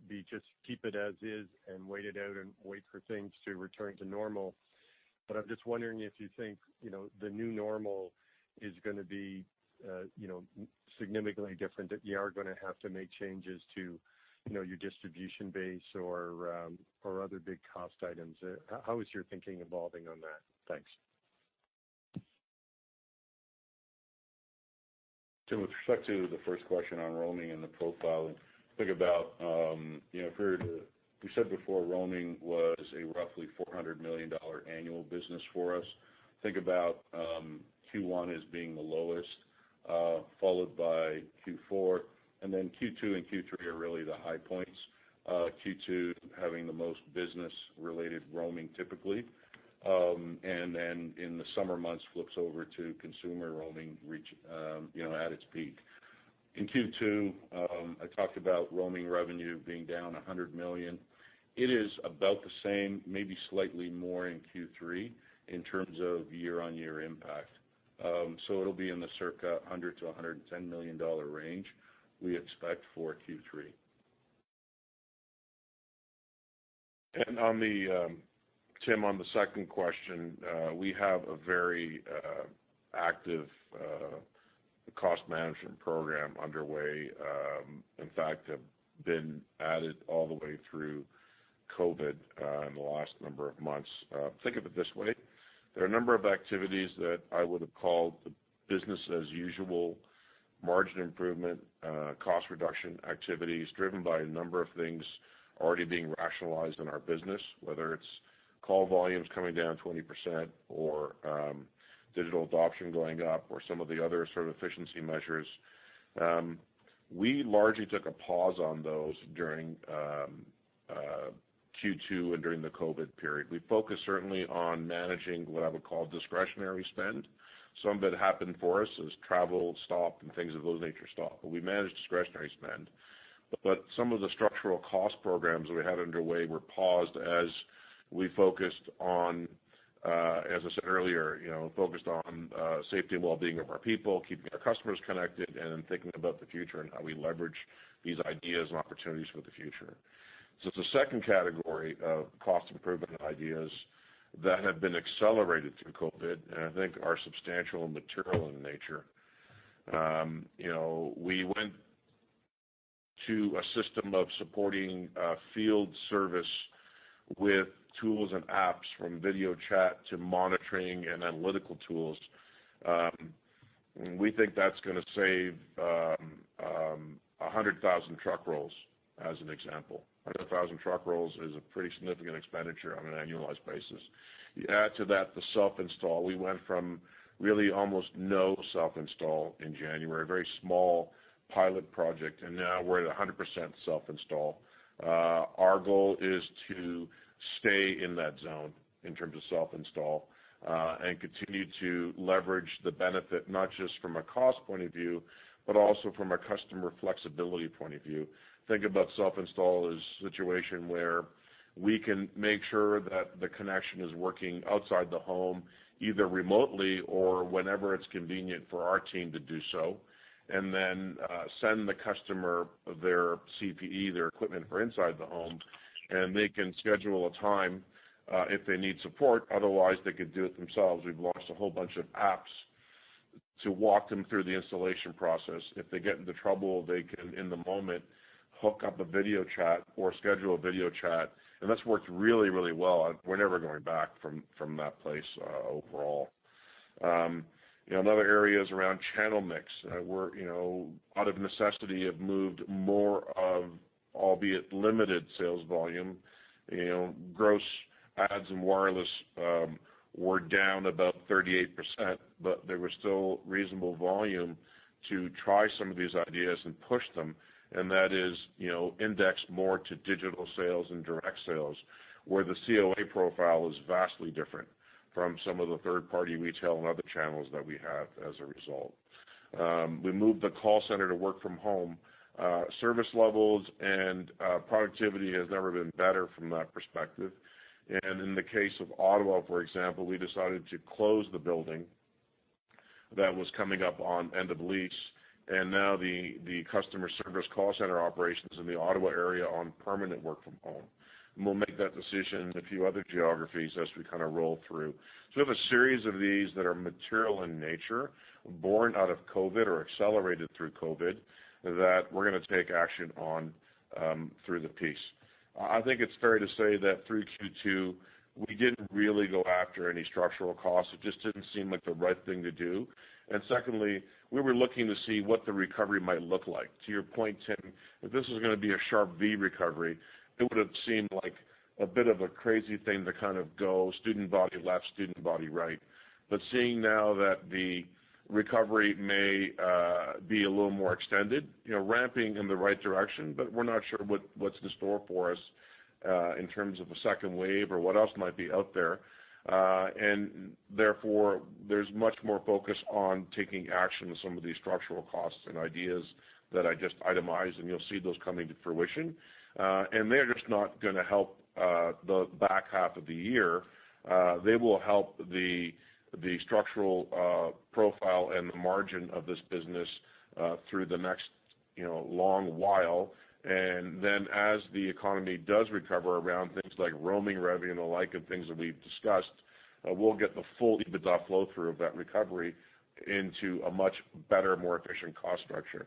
be keep it as is and wait it out and wait for things to return to normal. But I'm just wondering if you think the new normal is going to be significantly different that you are going to have to make changes to your distribution base or other big cost items. How is your thinking evolving on that? Thanks. With respect to the first question on roaming and the profiling, think about if we were to, you said before roaming was a roughly 400 million dollar annual business for us. Think about Q1 as being the lowest, followed by Q4. Then Q2 and Q3 are really the high points, Q2 having the most business-related roaming typically. Then in the summer months, flips over to consumer roaming at its peak. In Q2, I talked about roaming revenue being down 100 million. It is about the same, maybe slightly more in Q3 in terms of year-on-year impact. So it'll be in the circa 100 million-110 million dollar range we expect for Q3. Tim, on the second question, we have a very active cost management program underway. In fact, it's been added all the way through COVID in the last number of months. Think of it this way. There are a number of activities that I would have called business-as-usual, margin improvement, cost reduction activities driven by a number of things already being rationalized in our business, whether it's call volumes coming down 20% or digital adoption going up or some of the other sort of efficiency measures. We largely took a pause on those during Q2 and during the COVID period. We focused certainly on managing what I would call discretionary spend. Some of it happened for us as travel stopped and things of those nature stopped. But we managed discretionary spend. But some of the structural cost programs that we had underway were paused as we focused on, as I said earlier, focused on safety and well-being of our people, keeping our customers connected, and then thinking about the future and how we leverage these ideas and opportunities for the future. The second category of cost improvement ideas that have been accelerated through COVID, and I think are substantial and material in nature. We went to a system of supporting field service with tools and apps from video chat to monitoring and analytical tools. We think that's going to save 100,000 truck rolls, as an example. 100,000 truck rolls is a pretty significant expenditure on an annualized basis. You add to that the self-install. We went from really almost no self-install in January, a very small pilot project, and now we're at 100% self-install. Our goal is to stay in that zone in terms of self-install and continue to leverage the benefit not just from a cost point of view but also from a customer flexibility point of view. Think about self-install as a situation where we can make sure that the connection is working outside the home, either remotely or whenever it's convenient for our team to do so, and then send the customer their CPE, their equipment, for inside the home, and they can schedule a time if they need support. Otherwise, they could do it themselves. We've launched a whole bunch of apps to walk them through the installation process. If they get into trouble, they can, in the moment, hook up a video chat or schedule a video chat. And that's worked really, really well. We're never going back from that place overall. Another area is around channel mix. Out of necessity, we have moved more of, albeit limited, sales volume. Gross adds and wireless were down about 38%, but there was still reasonable volume to try some of these ideas and push them. That is indexed more to digital sales and direct sales, where the COA profile is vastly different from some of the third-party retail and other channels that we have as a result. We moved the call center to work from home. Service levels and productivity have never been better from that perspective. In the case of Ottawa, for example, we decided to close the building that was coming up on end-of-lease. Now the customer service call center operations in the Ottawa area are on permanent work from home. We'll make that decision in a few other geographies as we kind of roll through. We have a series of these that are material in nature, born out of COVID or accelerated through COVID, that we're going to take action on through the piece. I think it's fair to say that through Q2, we didn't really go after any structural costs. It just didn't seem like the right thing to do, and secondly, we were looking to see what the recovery might look like. To your point, Tim, if this was going to be a Sharp V recovery, it would have seemed like a bit of a crazy thing to kind of go student body left, student body right, but seeing now that the recovery may be a little more extended, ramping in the right direction, but we're not sure what's in store for us in terms of a second wave or what else might be out there, and therefore, there's much more focus on taking action on some of these structural costs and ideas that I just itemized, and you'll see those coming to fruition. And they're just not going to help the back half of the year. They will help the structural profile and the margin of this business through the next long while. And then as the economy does recover around things like roaming revenue and the like of things that we've discussed, we'll get the full EBITDA flow-through of that recovery into a much better, more efficient cost structure.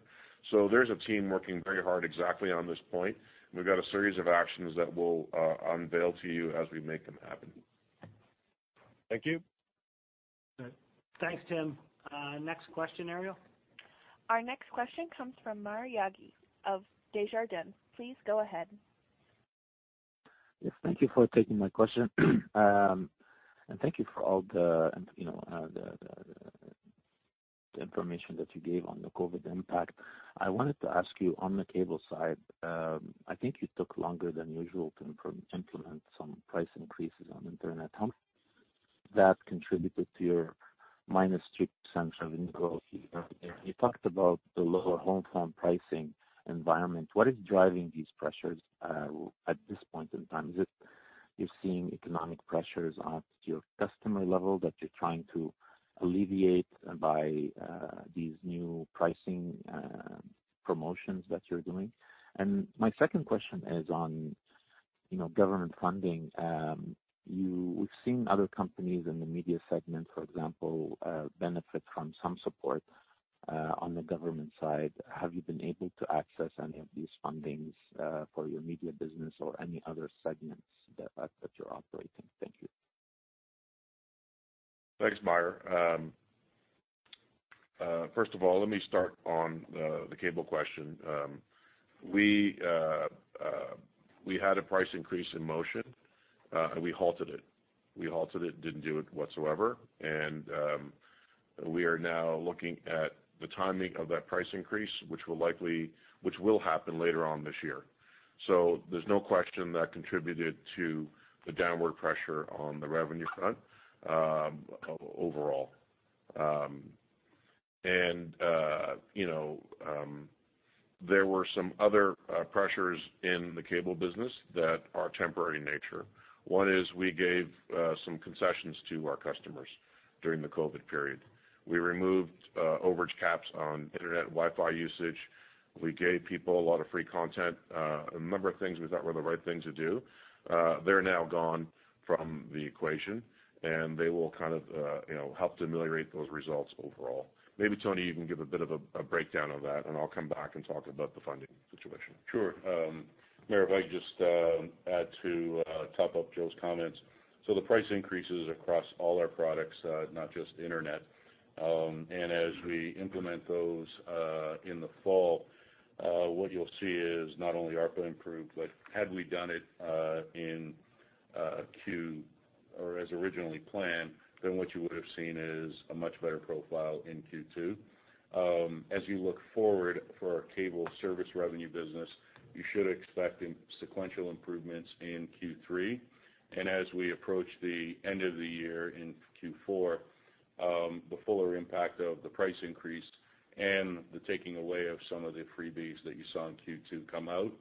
So there's a team working very hard exactly on this point. We've got a series of actions that we'll unveil to you as we make them happen. Thank you. Thanks, Tim. Next question, Ariel? Our next question comes from Maher Yaghi of Desjardins. Please go ahead. Thank you for taking my question. And thank you for all the information that you gave on the COVID impact. I wanted to ask you on the cable side. I think you took longer than usual to implement some price increases on the internet. How much has that contributed to your -2% revenue growth here? You talked about the lower home phone pricing environment. What is driving these pressures at this point in time? Is it you're seeing economic pressures at your customer level that you're trying to alleviate by these new pricing promotions that you're doing? And my second question is on government funding. We've seen other companies in the media segment, for example, benefit from some support on the government side. Have you been able to access any of these fundings for your media business or any other segments that you're operating? Thank you. Thanks, Maher. First of all, let me start on the cable question. We had a price increase in motion, and we halted it. We halted it and didn't do it whatsoever. And we are now looking at the timing of that price increase, which will happen later on this year. So there's no question that contributed to the downward pressure on the revenue front overall. And there were some other pressures in the cable business that are temporary in nature. One is we gave some concessions to our customers during the COVID period. We removed overage caps on internet and Wi-Fi usage. We gave people a lot of free content. A number of things we thought were the right things to do. They're now gone from the equation, and they will kind of help to ameliorate those results overall. Maybe Tony, you can give a bit of a breakdown of that, and I'll come back and talk about the funding situation. Sure. All right, just add to top up Joe's comments. So the price increases across all our products, not just internet. And as we implement those in the fall, what you'll see is not only ARPA improved, but had we done it in Q or as originally planned, then what you would have seen is a much better profile in Q2. As you look forward for our cable service revenue business, you should expect sequential improvements in Q3. And as we approach the end of the year in Q4, the fuller impact of the price increase and the taking away of some of the freebies that you saw in Q2 come out.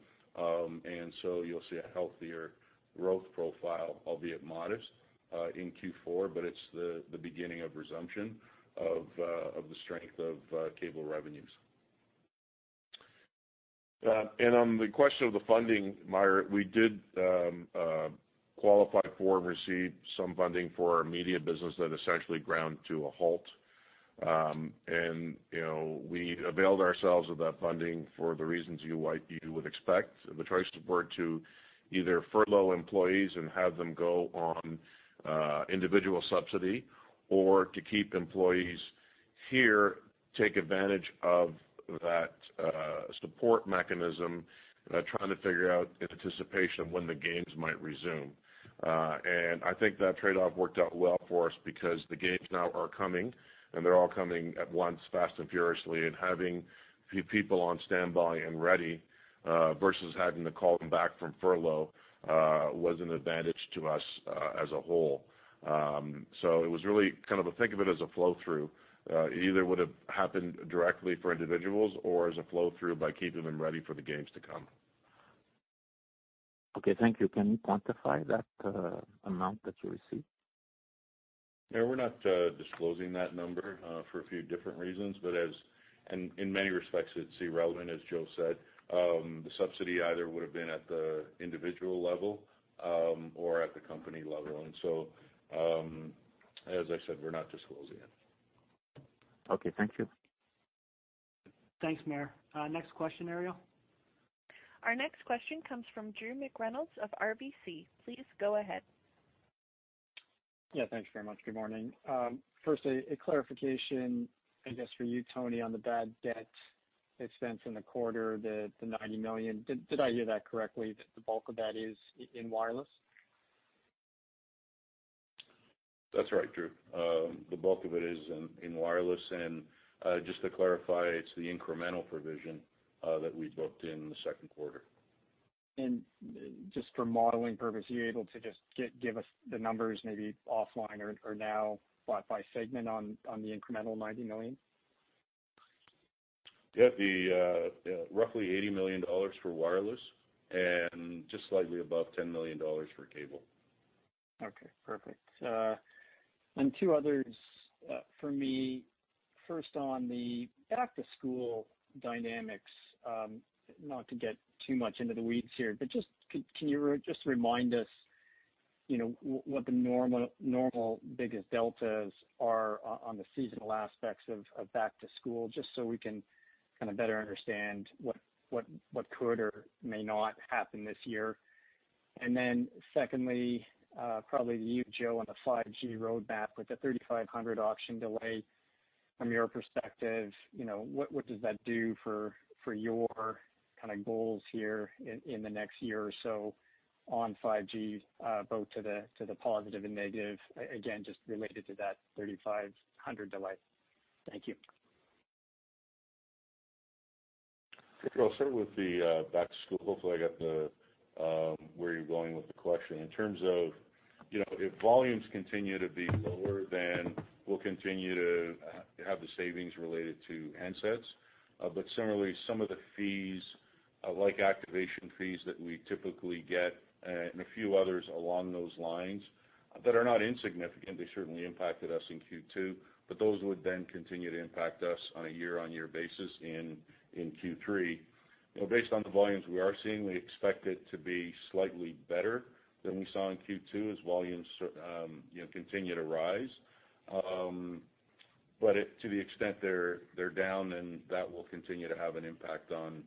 And so you'll see a healthier growth profile, albeit modest, in Q4, but it's the beginning of resumption of the strength of cable revenues. On the question of the funding, Maher, we did qualify for and receive some funding for our media business that essentially ground to a halt. We availed ourselves of that funding for the reasons you would expect, the choice to support either furlough employees and have them go on individual subsidy or to keep employees here, take advantage of that support mechanism, trying to figure out in anticipation of when the games might resume. I think that trade-off worked out well for us because the games now are coming, and they're all coming at once, fast and furiously. Having people on standby and ready versus having to call them back from furlough was an advantage to us as a whole. It was really kind of, think of it as a flow-through. It either would have happened directly for individuals or as a flow-through by keeping them ready for the games to come. Okay. Thank you. Can you quantify that amount that you received? Yeah. We're not disclosing that number for a few different reasons. But in many respects, it's irrelevant, as Joe said. The subsidy either would have been at the individual level or at the company level. And so, as I said, we're not disclosing it. Okay. Thank you. Thanks, Maher. Next question, Ariel? Our next question comes from Drew McReynolds of RBC. Please go ahead. Yeah. Thanks very much. Good morning. First, a clarification, I guess, for you, Tony, on the bad debt expense in the quarter, the 90 million. Did I hear that correctly, that the bulk of that is in wireless? That's right, Drew. The bulk of it is in wireless. Just to clarify, it's the incremental provision that we booked in the second quarter. Just for modeling purposes, are you able to just give us the numbers maybe offline or now by segment on the incremental 90 million? Yeah. Roughly 80 million dollars for wireless and just slightly above 10 million dollars for cable. Okay. Perfect. Two others for me. First, on the back-to-school dynamics, not to get too much into the weeds here, but just can you just remind us what the normal biggest deltas are on the seasonal aspects of back-to-school just so we can kind of better understand what could or may not happen this year. Then secondly, probably you, Joe, on the 5G roadmap with the 3,500 MHz auction delay. From your perspective, what does that do for your kind of goals here in the next year or so on 5G, both to the positive and negative, again, just related to that 3,500 delay? Thank you. I'll start with the back-to-school. Hopefully, I got where you're going with the question. In terms of if volumes continue to be lower, then we'll continue to have the savings related to handsets. But similarly, some of the fees, like activation fees that we typically get and a few others along those lines that are not insignificant, they certainly impacted us in Q2, but those would then continue to impact us on a year-on-year basis in Q3. Based on the volumes we are seeing, we expect it to be slightly better than we saw in Q2 as volumes continue to rise. But to the extent they're down, then that will continue to have an impact on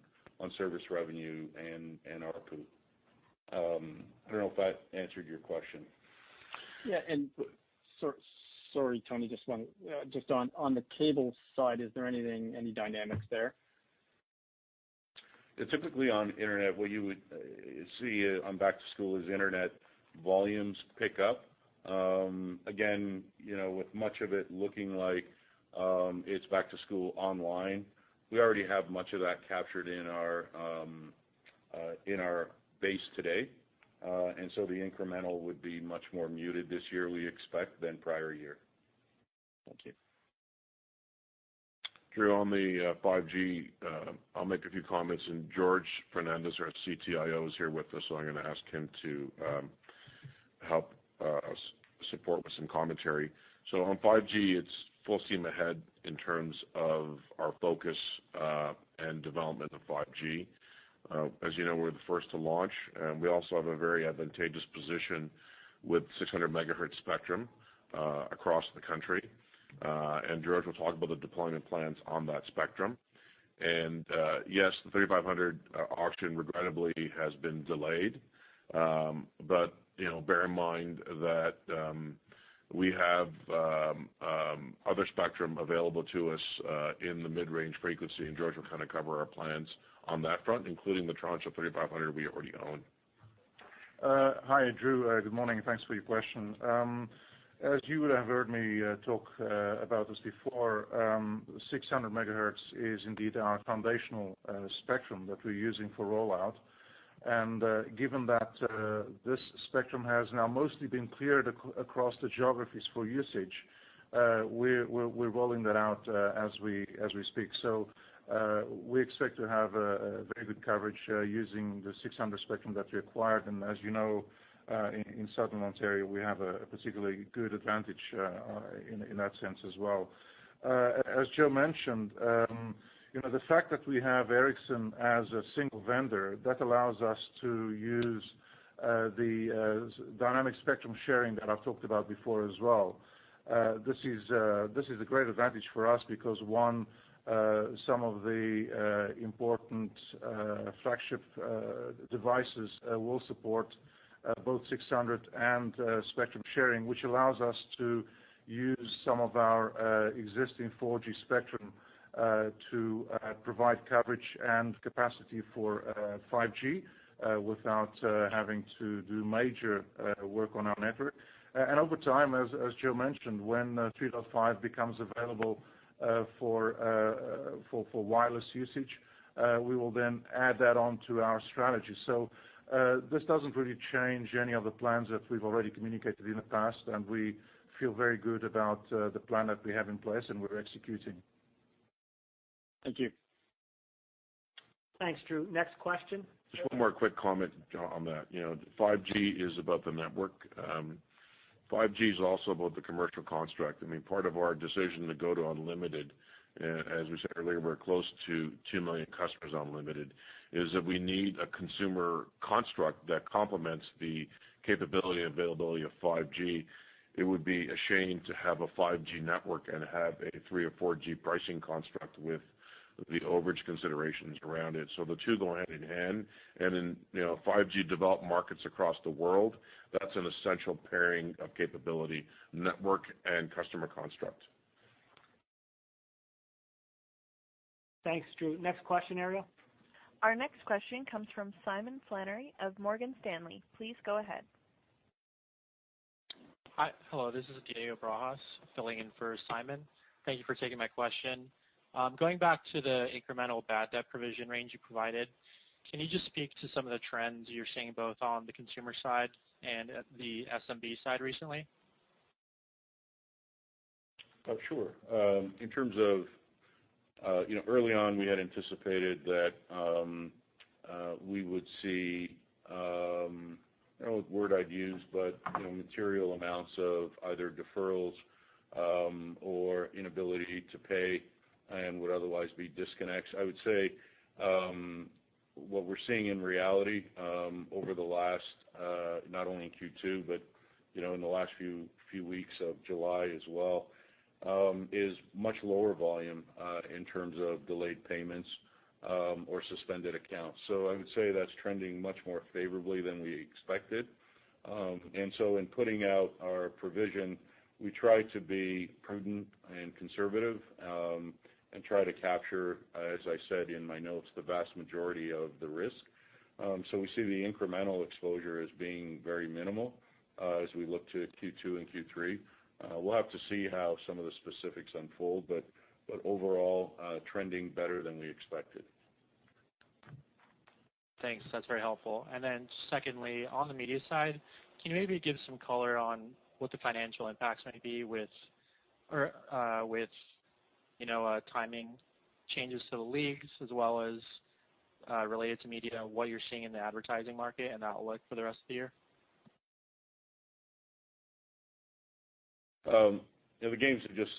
service revenue and ARPA. I don't know if that answered your question. Yeah. And sorry, Tony, just on the cable side, is there any dynamics there? Typically, on internet, what you would see on back-to-school is internet volumes pick up. Again, with much of it looking like it's back-to-school online, we already have much of that captured in our base today. And so the incremental would be much more muted this year, we expect, than prior year. Thank you. Drew, on the 5G, I'll make a few comments. And Jorge Fernandes, our CTIO, is here with us, so I'm going to ask him to help support with some commentary. So on 5G, it's full steam ahead in terms of our focus and development of 5G. As you know, we're the first to launch. We also have a very advantageous position with 600 megahertz spectrum across the country. Jorge will talk about the deployment plans on that spectrum. Yes, the 3,500 auction regrettably has been delayed. But bear in mind that we have other spectrum available to us in the mid-range frequency. Jorge will kind of cover our plans on that front, including the tranche of 3,500 we already own. Hi, Drew. Good morning. Thanks for your question. As you would have heard me talk about this before, 600 megahertz is indeed our foundational spectrum that we're using for rollout. Given that this spectrum has now mostly been cleared across the geographies for usage, we're rolling that out as we speak. We expect to have very good coverage using the 600 spectrum that we acquired. As you know, in Southern Ontario, we have a particularly good advantage in that sense as well. As Joe mentioned, the fact that we have Ericsson as a single vendor, that allows us to use the dynamic spectrum sharing that I've talked about before as well. This is a great advantage for us because, one, some of the important flagship devices will support both 600 and spectrum sharing, which allows us to use some of our existing 4G spectrum to provide coverage and capacity for 5G without having to do major work on our network. Over time, as Joe mentioned, when 3.5 becomes available for wireless usage, we will then add that on to our strategy. This doesn't really change any of the plans that we've already communicated in the past. We feel very good about the plan that we have in place and we're executing. Thank you. Thanks, Drew. Next question. Just one more quick comment on that. 5G is about the network. 5G is also about the commercial construct. I mean, part of our decision to go to unlimited, as we said earlier, we're close to 2 million customers on unlimited, is that we need a consumer construct that complements the capability and availability of 5G. It would be a shame to have a 5G network and have a 3 or 4G pricing construct with the overage considerations around it. So the two go hand in hand. In 5G developed markets across the world, that's an essential pairing of capability, network, and customer construct. Thanks, Drew. Next question, Ariel? Our next question comes from Simon Flannery of Morgan Stanley. Please go ahead. Hi. Hello. This is Diego Barajas, filling in for Simon. Thank you for taking my question. Going back to the incremental bad debt provision range you provided, can you just speak to some of the trends you're seeing both on the consumer side and the SMB side recently? Sure. In terms of early on, we had anticipated that we would see, I don't know what word I'd use, but material amounts of either deferrals or inability to pay and would otherwise be disconnects. I would say what we're seeing in reality over the last, not only in Q2, but in the last few weeks of July as well, is much lower volume in terms of delayed payments or suspended accounts. So I would say that's trending much more favorably than we expected. And so in putting out our provision, we try to be prudent and conservative and try to capture, as I said in my notes, the vast majority of the risk. So we see the incremental exposure as being very minimal as we look to Q2 and Q3. We'll have to see how some of the specifics unfold, but overall, trending better than we expected. Thanks. That's very helpful. And then secondly, on the media side, can you maybe give some color on what the financial impacts may be with timing changes to the leagues as well as related to media, what you're seeing in the advertising market and outlook for the rest of the year? The games have just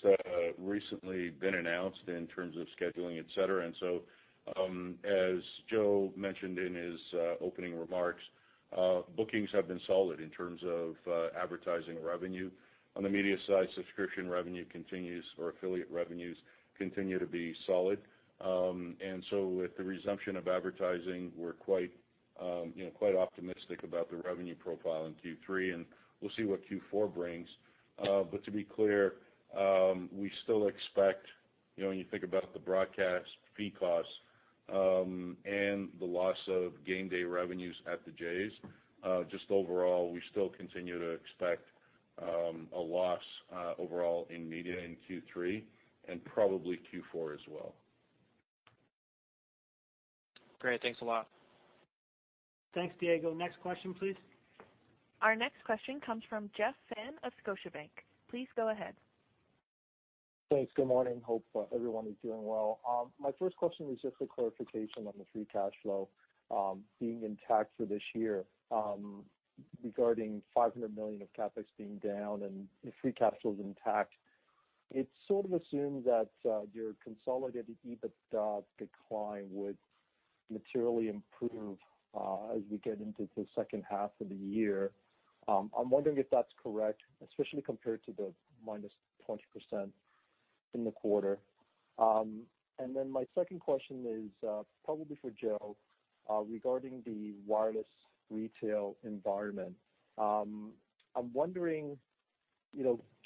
recently been announced in terms of scheduling, etc. And so as Joe mentioned in his opening remarks, bookings have been solid in terms of advertising revenue. On the media side, subscription revenue continues or affiliate revenues continue to be solid. And so with the resumption of advertising, we're quite optimistic about the revenue profile in Q3. And we'll see what Q4 brings. But to be clear, we still expect, when you think about the broadcast fee costs and the loss of game day revenues at the Jays, just overall, we still continue to expect a loss overall in media in Q3 and probably Q4 as well. Great. Thanks a lot. Thanks, Diego. Next question, please. Our next question comes from Jeff Fan of Scotiabank. Please go ahead. Thanks. Good morning. Hope everyone is doing well. My first question is just a clarification on the free cash flow being intact for this year. Regarding 500 million of CapEx being down and the free cash flow is intact, it's sort of assumed that your consolidated EBITDA decline would materially improve as we get into the second half of the year. I'm wondering if that's correct, especially compared to the -20% in the quarter. And then my second question is probably for Joe regarding the wireless retail environment. I'm wondering,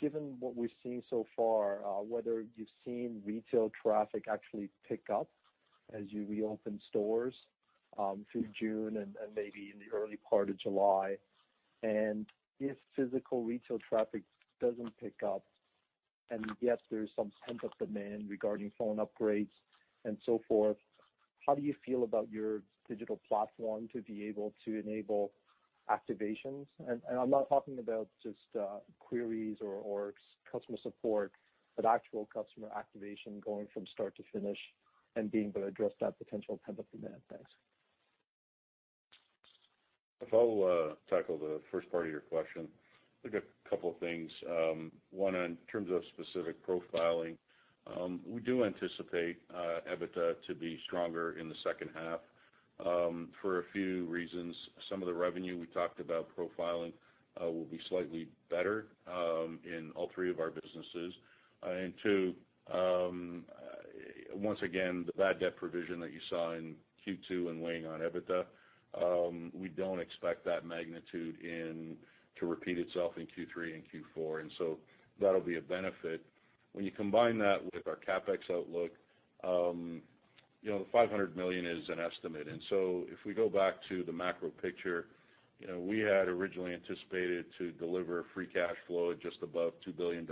given what we've seen so far, whether you've seen retail traffic actually pick up as you reopen stores through June and maybe in the early part of July. And if physical retail traffic doesn't pick up and yet there's some pent-up demand regarding phone upgrades and so forth, how do you feel about your digital platform to be able to enable activations? And I'm not talking about just queries or customer support, but actual customer activation going from start to finish and being able to address that potential pent-up demand. Thanks. I'll tackle the first part of your question. I think a couple of things. One, in terms of specific profiling, we do anticipate EBITDA to be stronger in the second half for a few reasons. Some of the revenue we talked about profiling will be slightly better in all three of our businesses. And two, once again, the bad debt provision that you saw in Q2 and weighing on EBITDA, we don't expect that magnitude to repeat itself in Q3 and Q4. And so that'll be a benefit. When you combine that with our CapEx outlook, the $500 million is an estimate. And so if we go back to the macro picture, we had originally anticipated to deliver free cash flow at just above $2 billion.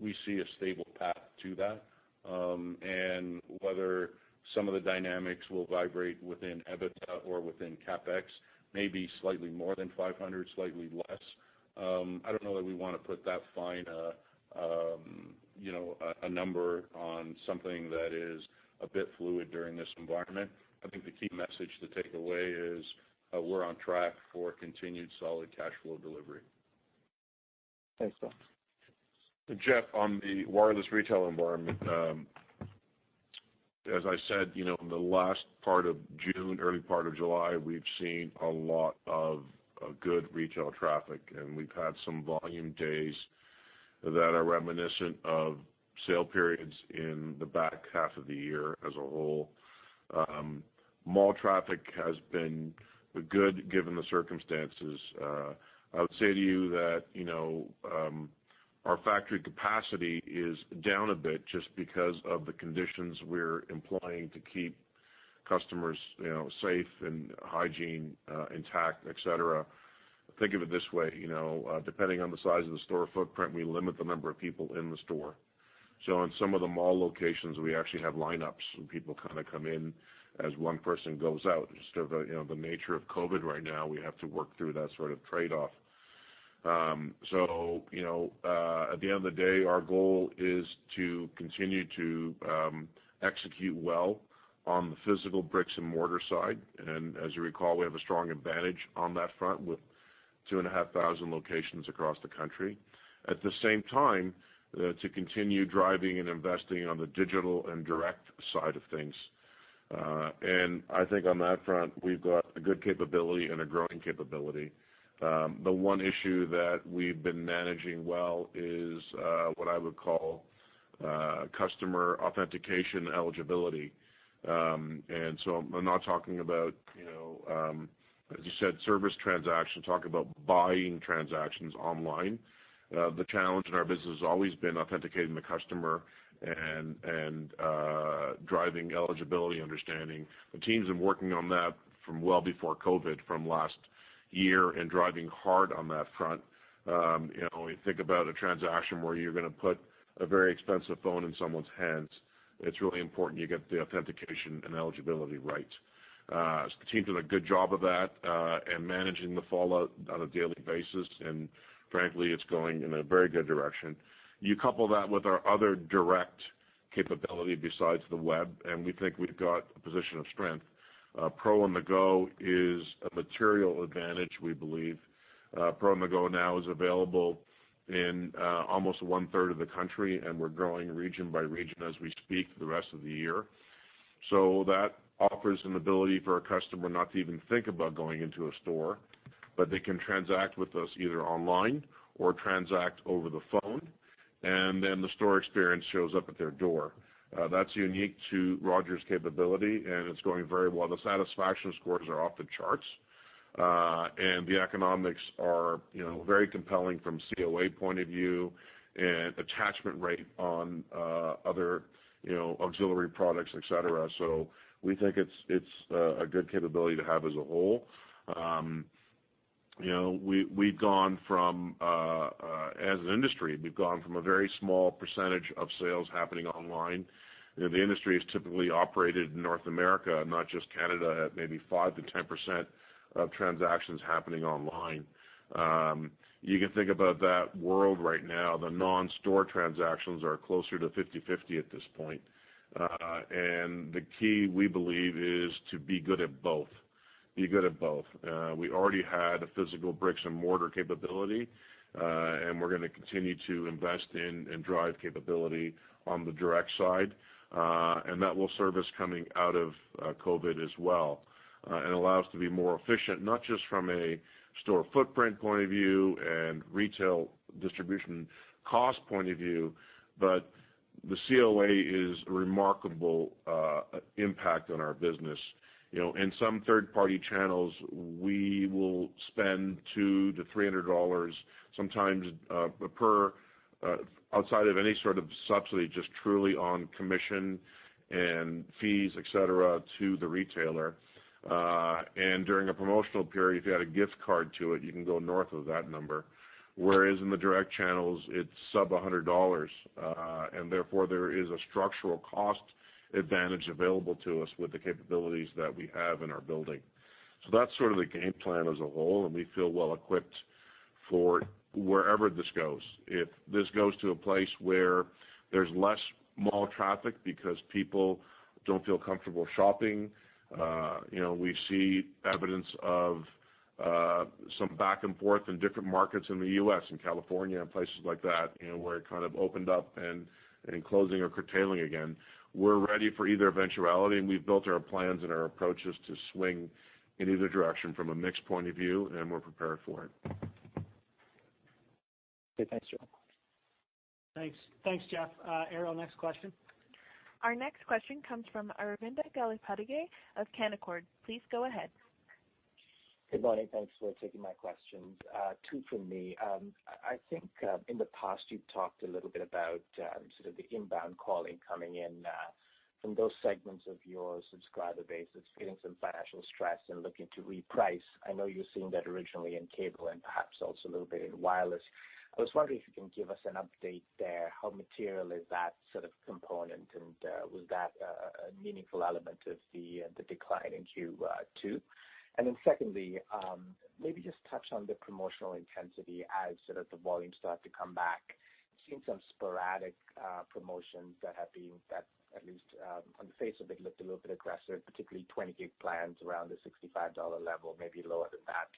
We see a stable path to that. And whether some of the dynamics will vibrate within EBITDA or within CapEx, maybe slightly more than 500, slightly less. I don't know that we want to put that fine number on something that is a bit fluid during this environment. I think the key message to take away is we're on track for continued solid cash flow delivery. Thanks, Bill. Jeff, on the wireless retail environment, as I said, in the last part of June, early part of July, we've seen a lot of good retail traffic. And we've had some volume days that are reminiscent of sale periods in the back half of the year as a whole. Mall traffic has been good given the circumstances. I would say to you that our factory capacity is down a bit just because of the conditions we're employing to keep customers safe and hygiene intact, etc. Think of it this way. Depending on the size of the store footprint, we limit the number of people in the store. So in some of the mall locations, we actually have lineups and people kind of come in as one person goes out. Just the nature of COVID right now, we have to work through that sort of trade-off. So at the end of the day, our goal is to continue to execute well on the physical bricks and mortar side. And as you recall, we have a strong advantage on that front with 2,500 locations across the country. At the same time, to continue driving and investing on the digital and direct side of things. And I think on that front, we've got a good capability and a growing capability. The one issue that we've been managing well is what I would call customer authentication eligibility. And so I'm not talking about, as you said, service transactions. I'm talking about buying transactions online. The challenge in our business has always been authenticating the customer and driving eligibility understanding. The teams have been working on that from well before COVID, from last year and driving hard on that front. When you think about a transaction where you're going to put a very expensive phone in someone's hands, it's really important you get the authentication and eligibility right. The teams have done a good job of that and managing the fallout on a daily basis, and frankly, it's going in a very good direction. You couple that with our other direct capability besides the web, and we think we've got a position of strength. Pro On-the-Go is a material advantage, we believe. Pro On-the-Go now is available in almost one-third of the country, and we're growing region by region as we speak the rest of the year. That offers an ability for a customer not to even think about going into a store, but they can transact with us either online or transact over the phone, and then the store experience shows up at their door. That's unique to Rogers' capability, and it's going very well. The satisfaction scores are off the charts, and the economics are very compelling from a COA point of view and attachment rate on other auxiliary products, etc. We think it's a good capability to have as a whole. We've gone from, as an industry, we've gone from a very small percentage of sales happening online. The industry is typically operated in North America, not just Canada, at maybe 5%-10% of transactions happening online. You can think about that world right now. The non-store transactions are closer to 50/50 at this point. The key, we believe, is to be good at both. Be good at both. We already had a physical bricks and mortar capability, and we're going to continue to invest in and drive capability on the direct side. That will serve us coming out of COVID as well and allow us to be more efficient, not just from a store footprint point of view and retail distribution cost point of view, but the COA is a remarkable impact on our business. In some third-party channels, we will spend 200-300 dollars sometimes per, outside of any sort of subsidy, just truly on commission and fees, etc., to the retailer. During a promotional period, if you add a gift card to it, you can go north of that number. Whereas in the direct channels, it's sub 100 dollars. And therefore, there is a structural cost advantage available to us with the capabilities that we have in our building. So that's sort of the game plan as a whole, and we feel well equipped for wherever this goes. If this goes to a place where there's less mall traffic because people don't feel comfortable shopping, we see evidence of some back and forth in different markets in the US and California and places like that where it kind of opened up and closing or curtailing again, we're ready for either eventuality. And we've built our plans and our approaches to swing in either direction from a mixed point of view, and we're prepared for it. Okay. Thanks, Joe. Thanks. Thanks, Jeff. Ariel, next question. Our next question comes from Aravinda Galappatthige of Canaccord. Please go ahead. Good morning. Thanks for taking my questions. Two for me. I think in the past, you've talked a little bit about sort of the inbound calling coming in from those segments of your subscriber base, getting some financial stress and looking to reprice. I know you're seeing that originally in cable and perhaps also a little bit in wireless. I was wondering if you can give us an update there. How material is that sort of component? And was that a meaningful element of the decline in Q2? And then secondly, maybe just touch on the promotional intensity as sort of the volumes start to come back. I've seen some sporadic promotions that have been, at least on the face of it, looked a little bit aggressive, particularly 20-gig plans around the 65 dollar level, maybe lower than that.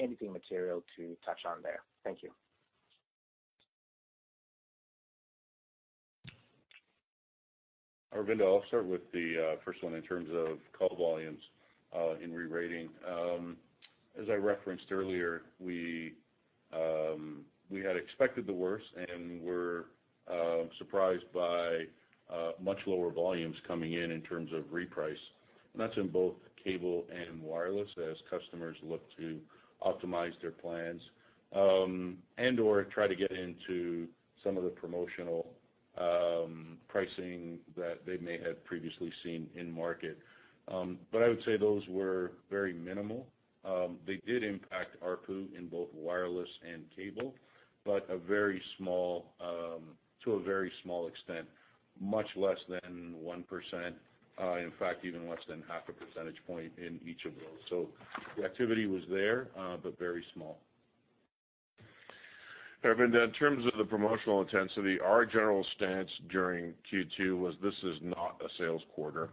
Anything material to touch on there? Thank you. Aravinda, I'll start with the first one in terms of call volumes and re-rating. As I referenced earlier, we had expected the worst and were surprised by much lower volumes coming in in terms of reprice. And that's in both cable and wireless as customers look to optimize their plans and/or try to get into some of the promotional pricing that they may have previously seen in market. But I would say those were very minimal. They did impact our pool in both wireless and cable, but a very small, to a very small extent, much less than 1%. In fact, even less than half a percentage point in each of those. So the activity was there, but very small. Aravinda, in terms of the promotional intensity, our general stance during Q2 was this is not a sales quarter.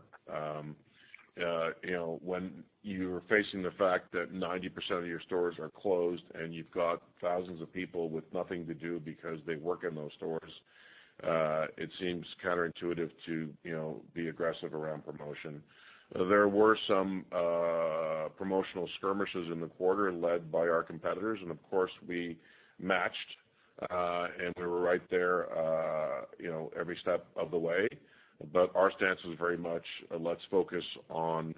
When you're facing the fact that 90% of your stores are closed and you've got thousands of people with nothing to do because they work in those stores, it seems counterintuitive to be aggressive around promotion. There were some promotional skirmishes in the quarter led by our competitors, and of course, we matched and we were right there every step of the way, but our stance was very much, let's focus on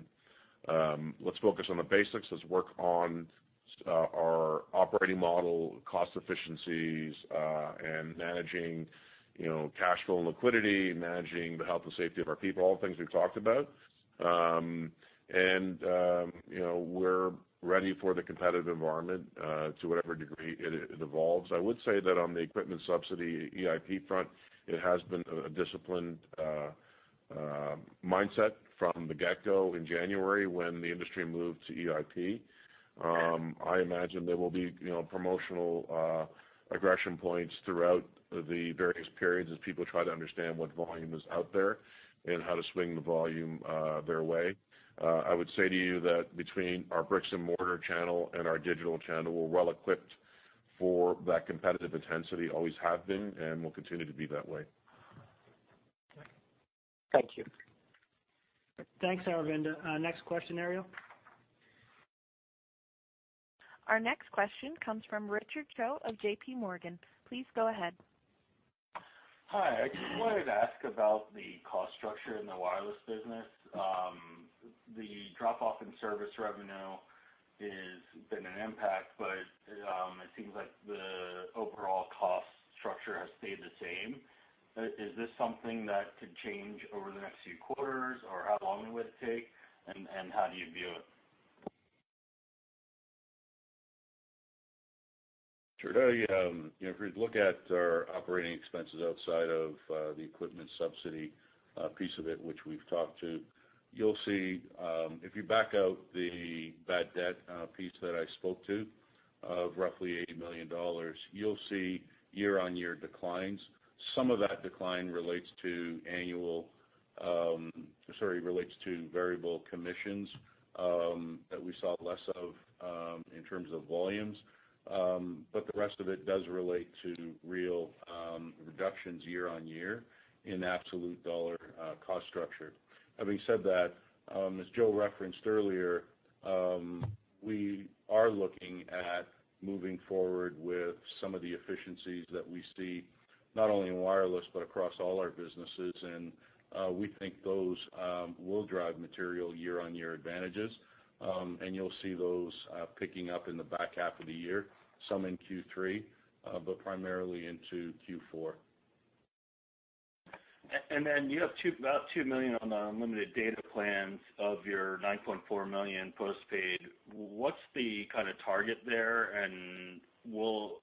the basics. Let's work on our operating model, cost efficiencies, and managing cash flow and liquidity, managing the health and safety of our people, all the things we've talked about, and we're ready for the competitive environment to whatever degree it evolves. I would say that on the equipment subsidy EIP front, it has been a disciplined mindset from the get-go in January when the industry moved to EIP. I imagine there will be promotional aggression points throughout the various periods as people try to understand what volume is out there and how to swing the volume their way. I would say to you that between our bricks and mortar channel and our digital channel, we're well equipped for that competitive intensity, always have been, and we'll continue to be that way. Thank you. Thanks, Aravinda. Next question, Ariel? Our next question comes from Richard Choe of JPMorgan. Please go ahead. Hi. I wanted to ask about the cost structure in the wireless business. The drop-off in service revenue has been an impact, but it seems like the overall cost structure has stayed the same. Is this something that could change over the next few quarters, or how long would it take, and how do you view it? Sure.If we look at our operating expenses outside of the equipment subsidy piece of it, which we've talked to, you'll see if you back out the bad debt piece that I spoke to of roughly 80 million dollars, you'll see year-on-year declines. Some of that decline relates to variable commissions that we saw less of in terms of volumes. But the rest of it does relate to real reductions year-on-year in absolute dollar cost structure. Having said that, as Joe referenced earlier, we are looking at moving forward with some of the efficiencies that we see not only in wireless but across all our businesses. And we think those will drive material year-on-year advantages. And you'll see those picking up in the back half of the year, some in Q3, but primarily into Q4. And then you have about two million on the unlimited data plans of your 9.4 million postpaid. What's the kind of target there? And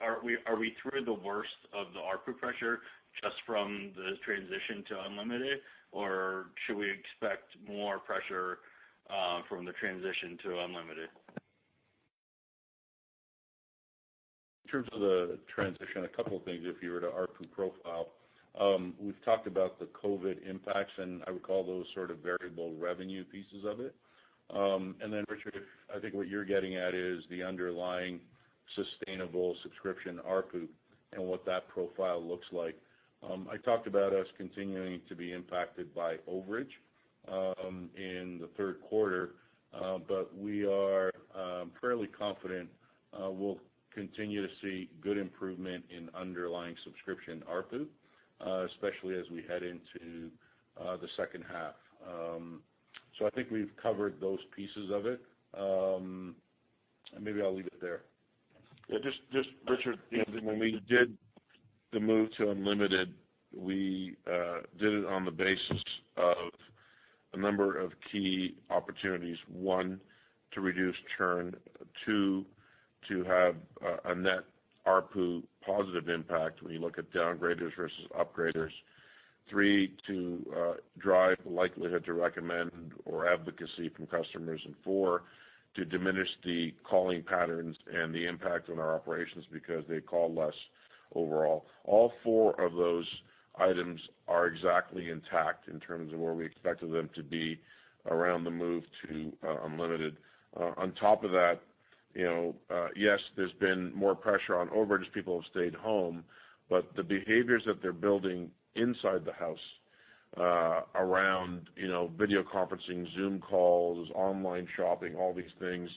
are we through the worst of the ARPU pressure just from the transition to unlimited, or should we expect more pressure from the transition to unlimited? In terms of the transition, a couple of things. If you were to ARPU profile, we've talked about the COVID impacts, and I would call those sort of variable revenue pieces of it. And then, Richard, I think what you're getting at is the underlying sustainable subscription ARPU and what that profile looks like. I talked about us continuing to be impacted by overage in the third quarter, but we are fairly confident we'll continue to see good improvement in underlying subscription ARPU, especially as we head into the second half. So I think we've covered those pieces of it. And maybe I'll leave it there. Yeah. Just, Richard, when we did the move to unlimited, we did it on the basis of a number of key opportunities. One, to reduce churn. Two, to have a net ARPU positive impact when you look at downgraders versus upgraders. Three, to drive the likelihood to recommend or advocacy from customers. And four, to diminish the calling patterns and the impact on our operations because they call less overall. All four of those items are exactly intact in terms of where we expected them to be around the move to unlimited. On top of that, yes, there's been more pressure on overage. People have stayed home. But the behaviors that they're building inside the house around video conferencing, Zoom calls, online shopping, all these things,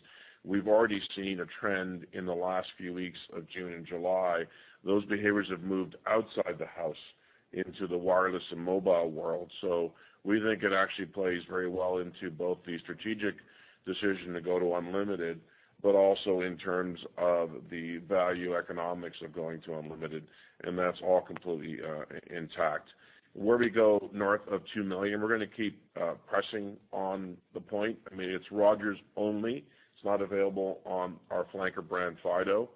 we've already seen a trend in the last few weeks of June and July. Those behaviors have moved outside the house into the wireless and mobile world. So we think it actually plays very well into both the strategic decision to go to unlimited, but also in terms of the value economics of going to unlimited. And that's all completely intact. Where we go north of 2 million, we're going to keep pressing on the point. I mean, it's Rogers only. It's not available on our flanker brand, Fido.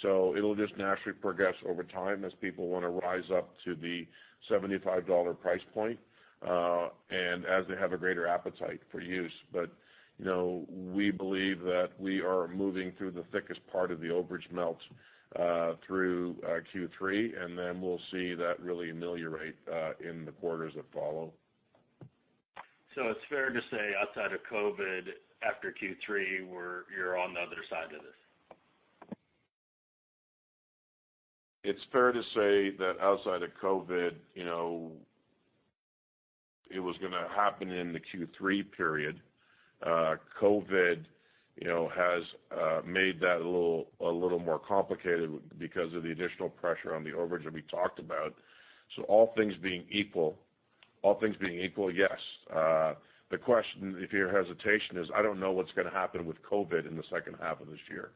So it'll just naturally progress over time as people want to rise up to the $75 price point and as they have a greater appetite for use. But we believe that we are moving through the thickest part of the overage melts through Q3, and then we'll see that really ameliorate in the quarters that follow. So it's fair to say outside of COVID, after Q3, you're on the other side of this? It's fair to say that outside of COVID, it was going to happen in the Q3 period. COVID has made that a little more complicated because of the additional pressure on the overage that we talked about. So all things being equal, all things being equal, yes. The question, if your hesitation is, I don't know what's going to happen with COVID in the second half of this year.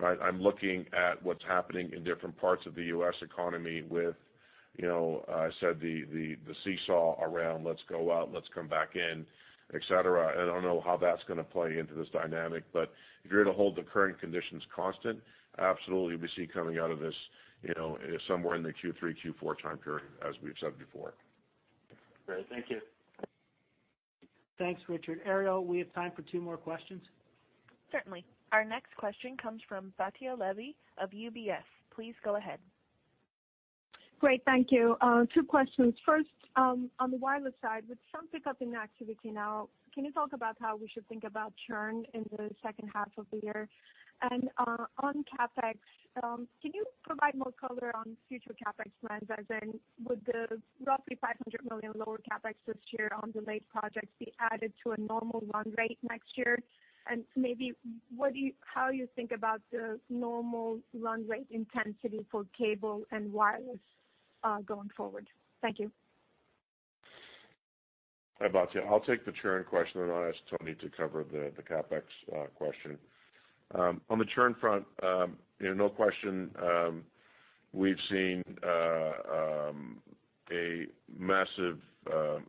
I'm looking at what's happening in different parts of the U.S. economy with, I said, the seesaw around, "Let's go out. Let's come back in," etc. And I don't know how that's going to play into this dynamic. But if you're going to hold the current conditions constant, absolutely, we see coming out of this somewhere in the Q3, Q4 time period, as we've said before. Great. Thank you. Thanks, Richard. Ariel, we have time for two more questions. Certainly. Our next question comes from Batya Levi of UBS. Please go ahead. Great. Thank you. Two questions. First, on the wireless side, with some pickup in activity now, can you talk about how we should think about churn in the second half of the year? And on CapEx, can you provide more color on future CapEx plans? As in, would the roughly 500 million lower CapEx this year on delayed projects be added to a normal run rate next year? And maybe how you think about the normal run rate intensity for cable and wireless going forward. Thank you. Hi, Batya. I'll take the churn question, and I'll ask Tony to cover the CapEx question. On the churn front, no question, we've seen a massive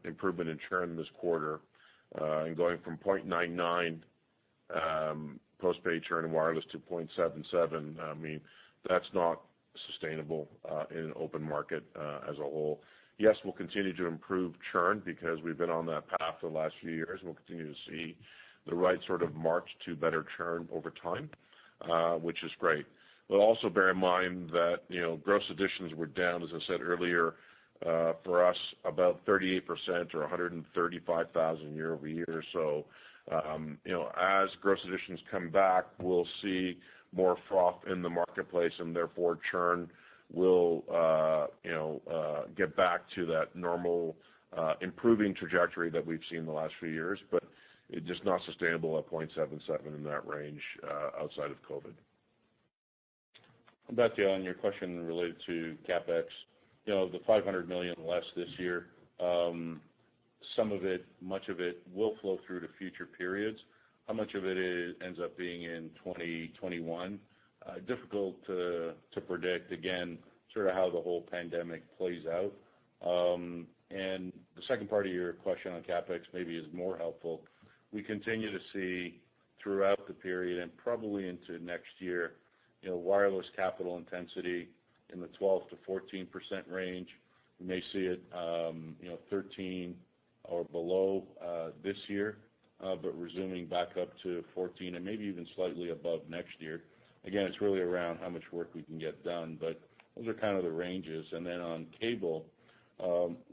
improvement in churn this quarter. Going from 0.99 postpaid churn and wireless to 0.77, I mean, that's not sustainable in an open market as a whole. Yes, we'll continue to improve churn because we've been on that path the last few years. We'll continue to see the right sort of march to better churn over time, which is great. But also bear in mind that gross additions were down, as I said earlier, for us, about 38% or 135,000 year-over-year. So as gross additions come back, we'll see more froth in the marketplace, and therefore churn will get back to that normal improving trajectory that we've seen the last few years. But it's just not sustainable at 0.77 in that range outside of COVID. Batya, on your question related to CapEx, the 500 million less this year, some of it, much of it, will flow through to future periods. How much of it ends up being in 2021? Difficult to predict, again, sort of how the whole pandemic plays out. The second part of your question on CapEx maybe is more helpful. We continue to see throughout the period and probably into next year, wireless capital intensity in the 12-14% range. We may see it 13% or below this year, but resuming back up to 14% and maybe even slightly above next year. Again, it's really around how much work we can get done. Those are kind of the ranges. Then on cable,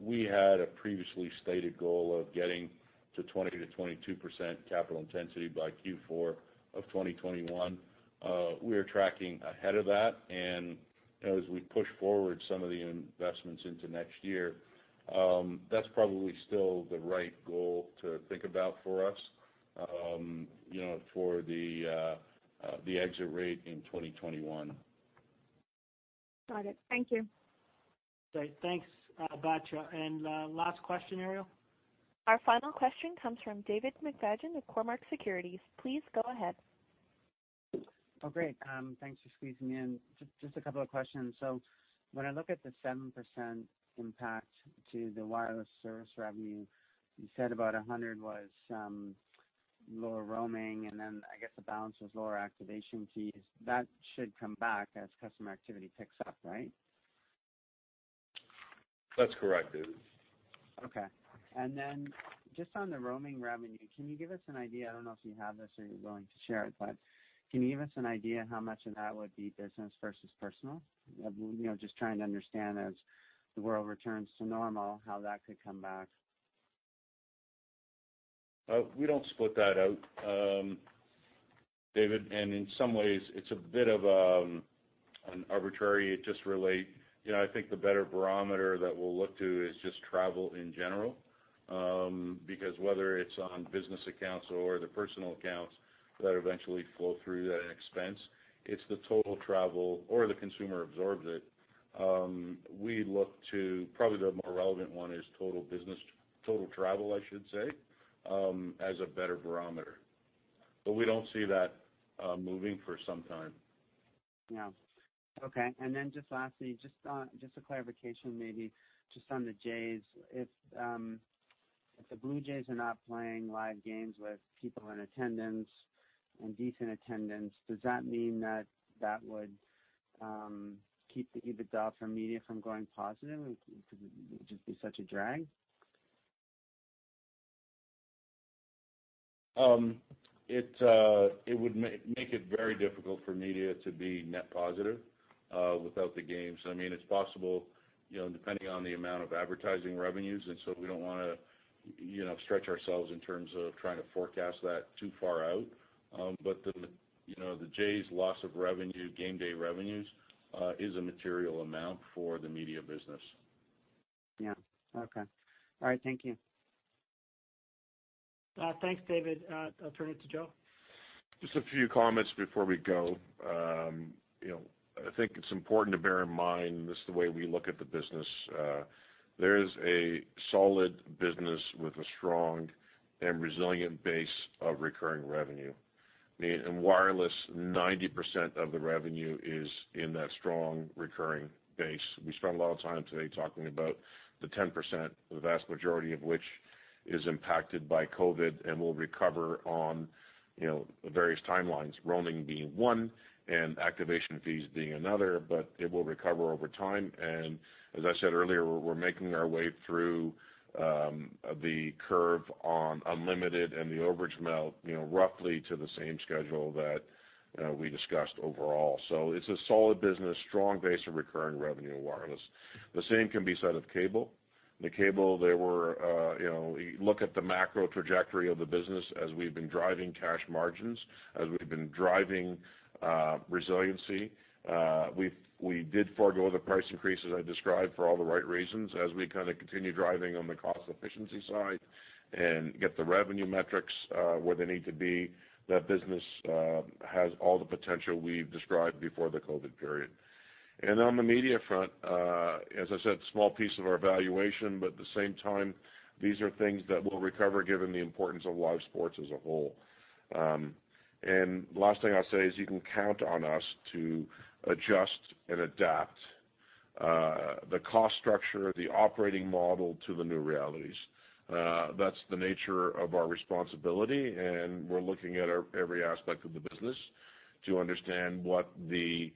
we had a previously stated goal of getting to 20-22% capital intensity by Q4 of 2021. We are tracking ahead of that. As we push forward some of the investments into next year, that's probably still the right goal to think about for us for the exit rate in 2021. Got it. Thank you. Great. Thanks, Batya. And last question, Ariel? Our final question comes from David McFadgen of Cormark Securities. Please go ahead. Oh, great. Thanks for squeezing in. Just a couple of questions. So when I look at the 7% impact to the wireless service revenue, you said about 100 was lower roaming, and then I guess the balance was lower activation fees. That should come back as customer activity picks up, right? That's correct, David. Okay. And then just on the roaming revenue, can you give us an idea? I don't know if you have this or you're willing to share it, but can you give us an idea how much of that would be business versus personal? Just trying to understand as the world returns to normal how that could come back. We don't split that out, David. And in some ways, it's a bit of an arbitrary. It just relates. I think the better barometer that we'll look to is just travel in general. Because whether it's on business accounts or the personal accounts that eventually flow through that expense, it's the total travel or the consumer absorbs it. We look to probably the more relevant one is total business, total travel, I should say, as a better barometer. But we don't see that moving for some time. Yeah. Okay. And then just lastly, just a clarification maybe, just on the Jays, if the Blue Jays are not playing live games with people in attendance and decent attendance, does that mean that that would keep the EBITDA for media from going positive? It would just be such a drag. It would make it very difficult for media to be net positive without the games. I mean, it's possible, depending on the amount of advertising revenues, and so we don't want to stretch ourselves in terms of trying to forecast that too far out, but the Jays' loss of revenue, game day revenues, is a material amount for the media business. Yeah. Okay. All right. Thank you. Thanks, David. I'll turn it to Joe. Just a few comments before we go. I think it's important to bear in mind, and this is the way we look at the business. There is a solid business with a strong and resilient base of recurring revenue. I mean, in wireless, 90% of the revenue is in that strong recurring base. We spent a lot of time today talking about the 10%, the vast majority of which is impacted by COVID and will recover on various timelines, roaming being one and activation fees being another, but it will recover over time, and as I said earlier, we're making our way through the curve on unlimited and the overage melt roughly to the same schedule that we discussed overall, so it's a solid business, strong base of recurring revenue in wireless. The same can be said of cable. The cable there, we're looking at the macro trajectory of the business as we've been driving cash margins, as we've been driving resiliency. We did forgo the price increases I described for all the right reasons. As we kind of continue driving on the cost efficiency side and get the revenue metrics where they need to be, that business has all the potential we've described before the COVID period. And on the media front, as I said, small piece of our valuation, but at the same time, these are things that will recover given the importance of live sports as a whole. And the last thing I'll say is you can count on us to adjust and adapt the cost structure, the operating model to the new realities. That's the nature of our responsibility. And we're looking at every aspect of the business to understand what the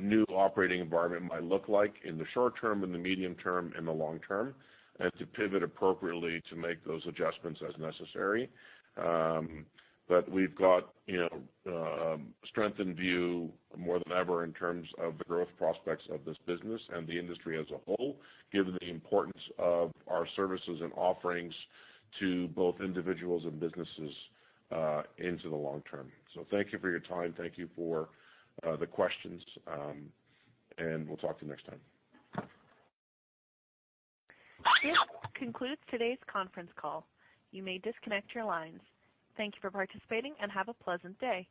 new operating environment might look like in the short term, in the medium term, and the long term, and to pivot appropriately to make those adjustments as necessary. But we've got strength in view more than ever in terms of the growth prospects of this business and the industry as a whole, given the importance of our services and offerings to both individuals and businesses into the long term. So thank you for your time. Thank you for the questions. And we'll talk to you next time. This concludes today's conference call. You may disconnect your lines. Thank you for participating and have a pleasant day.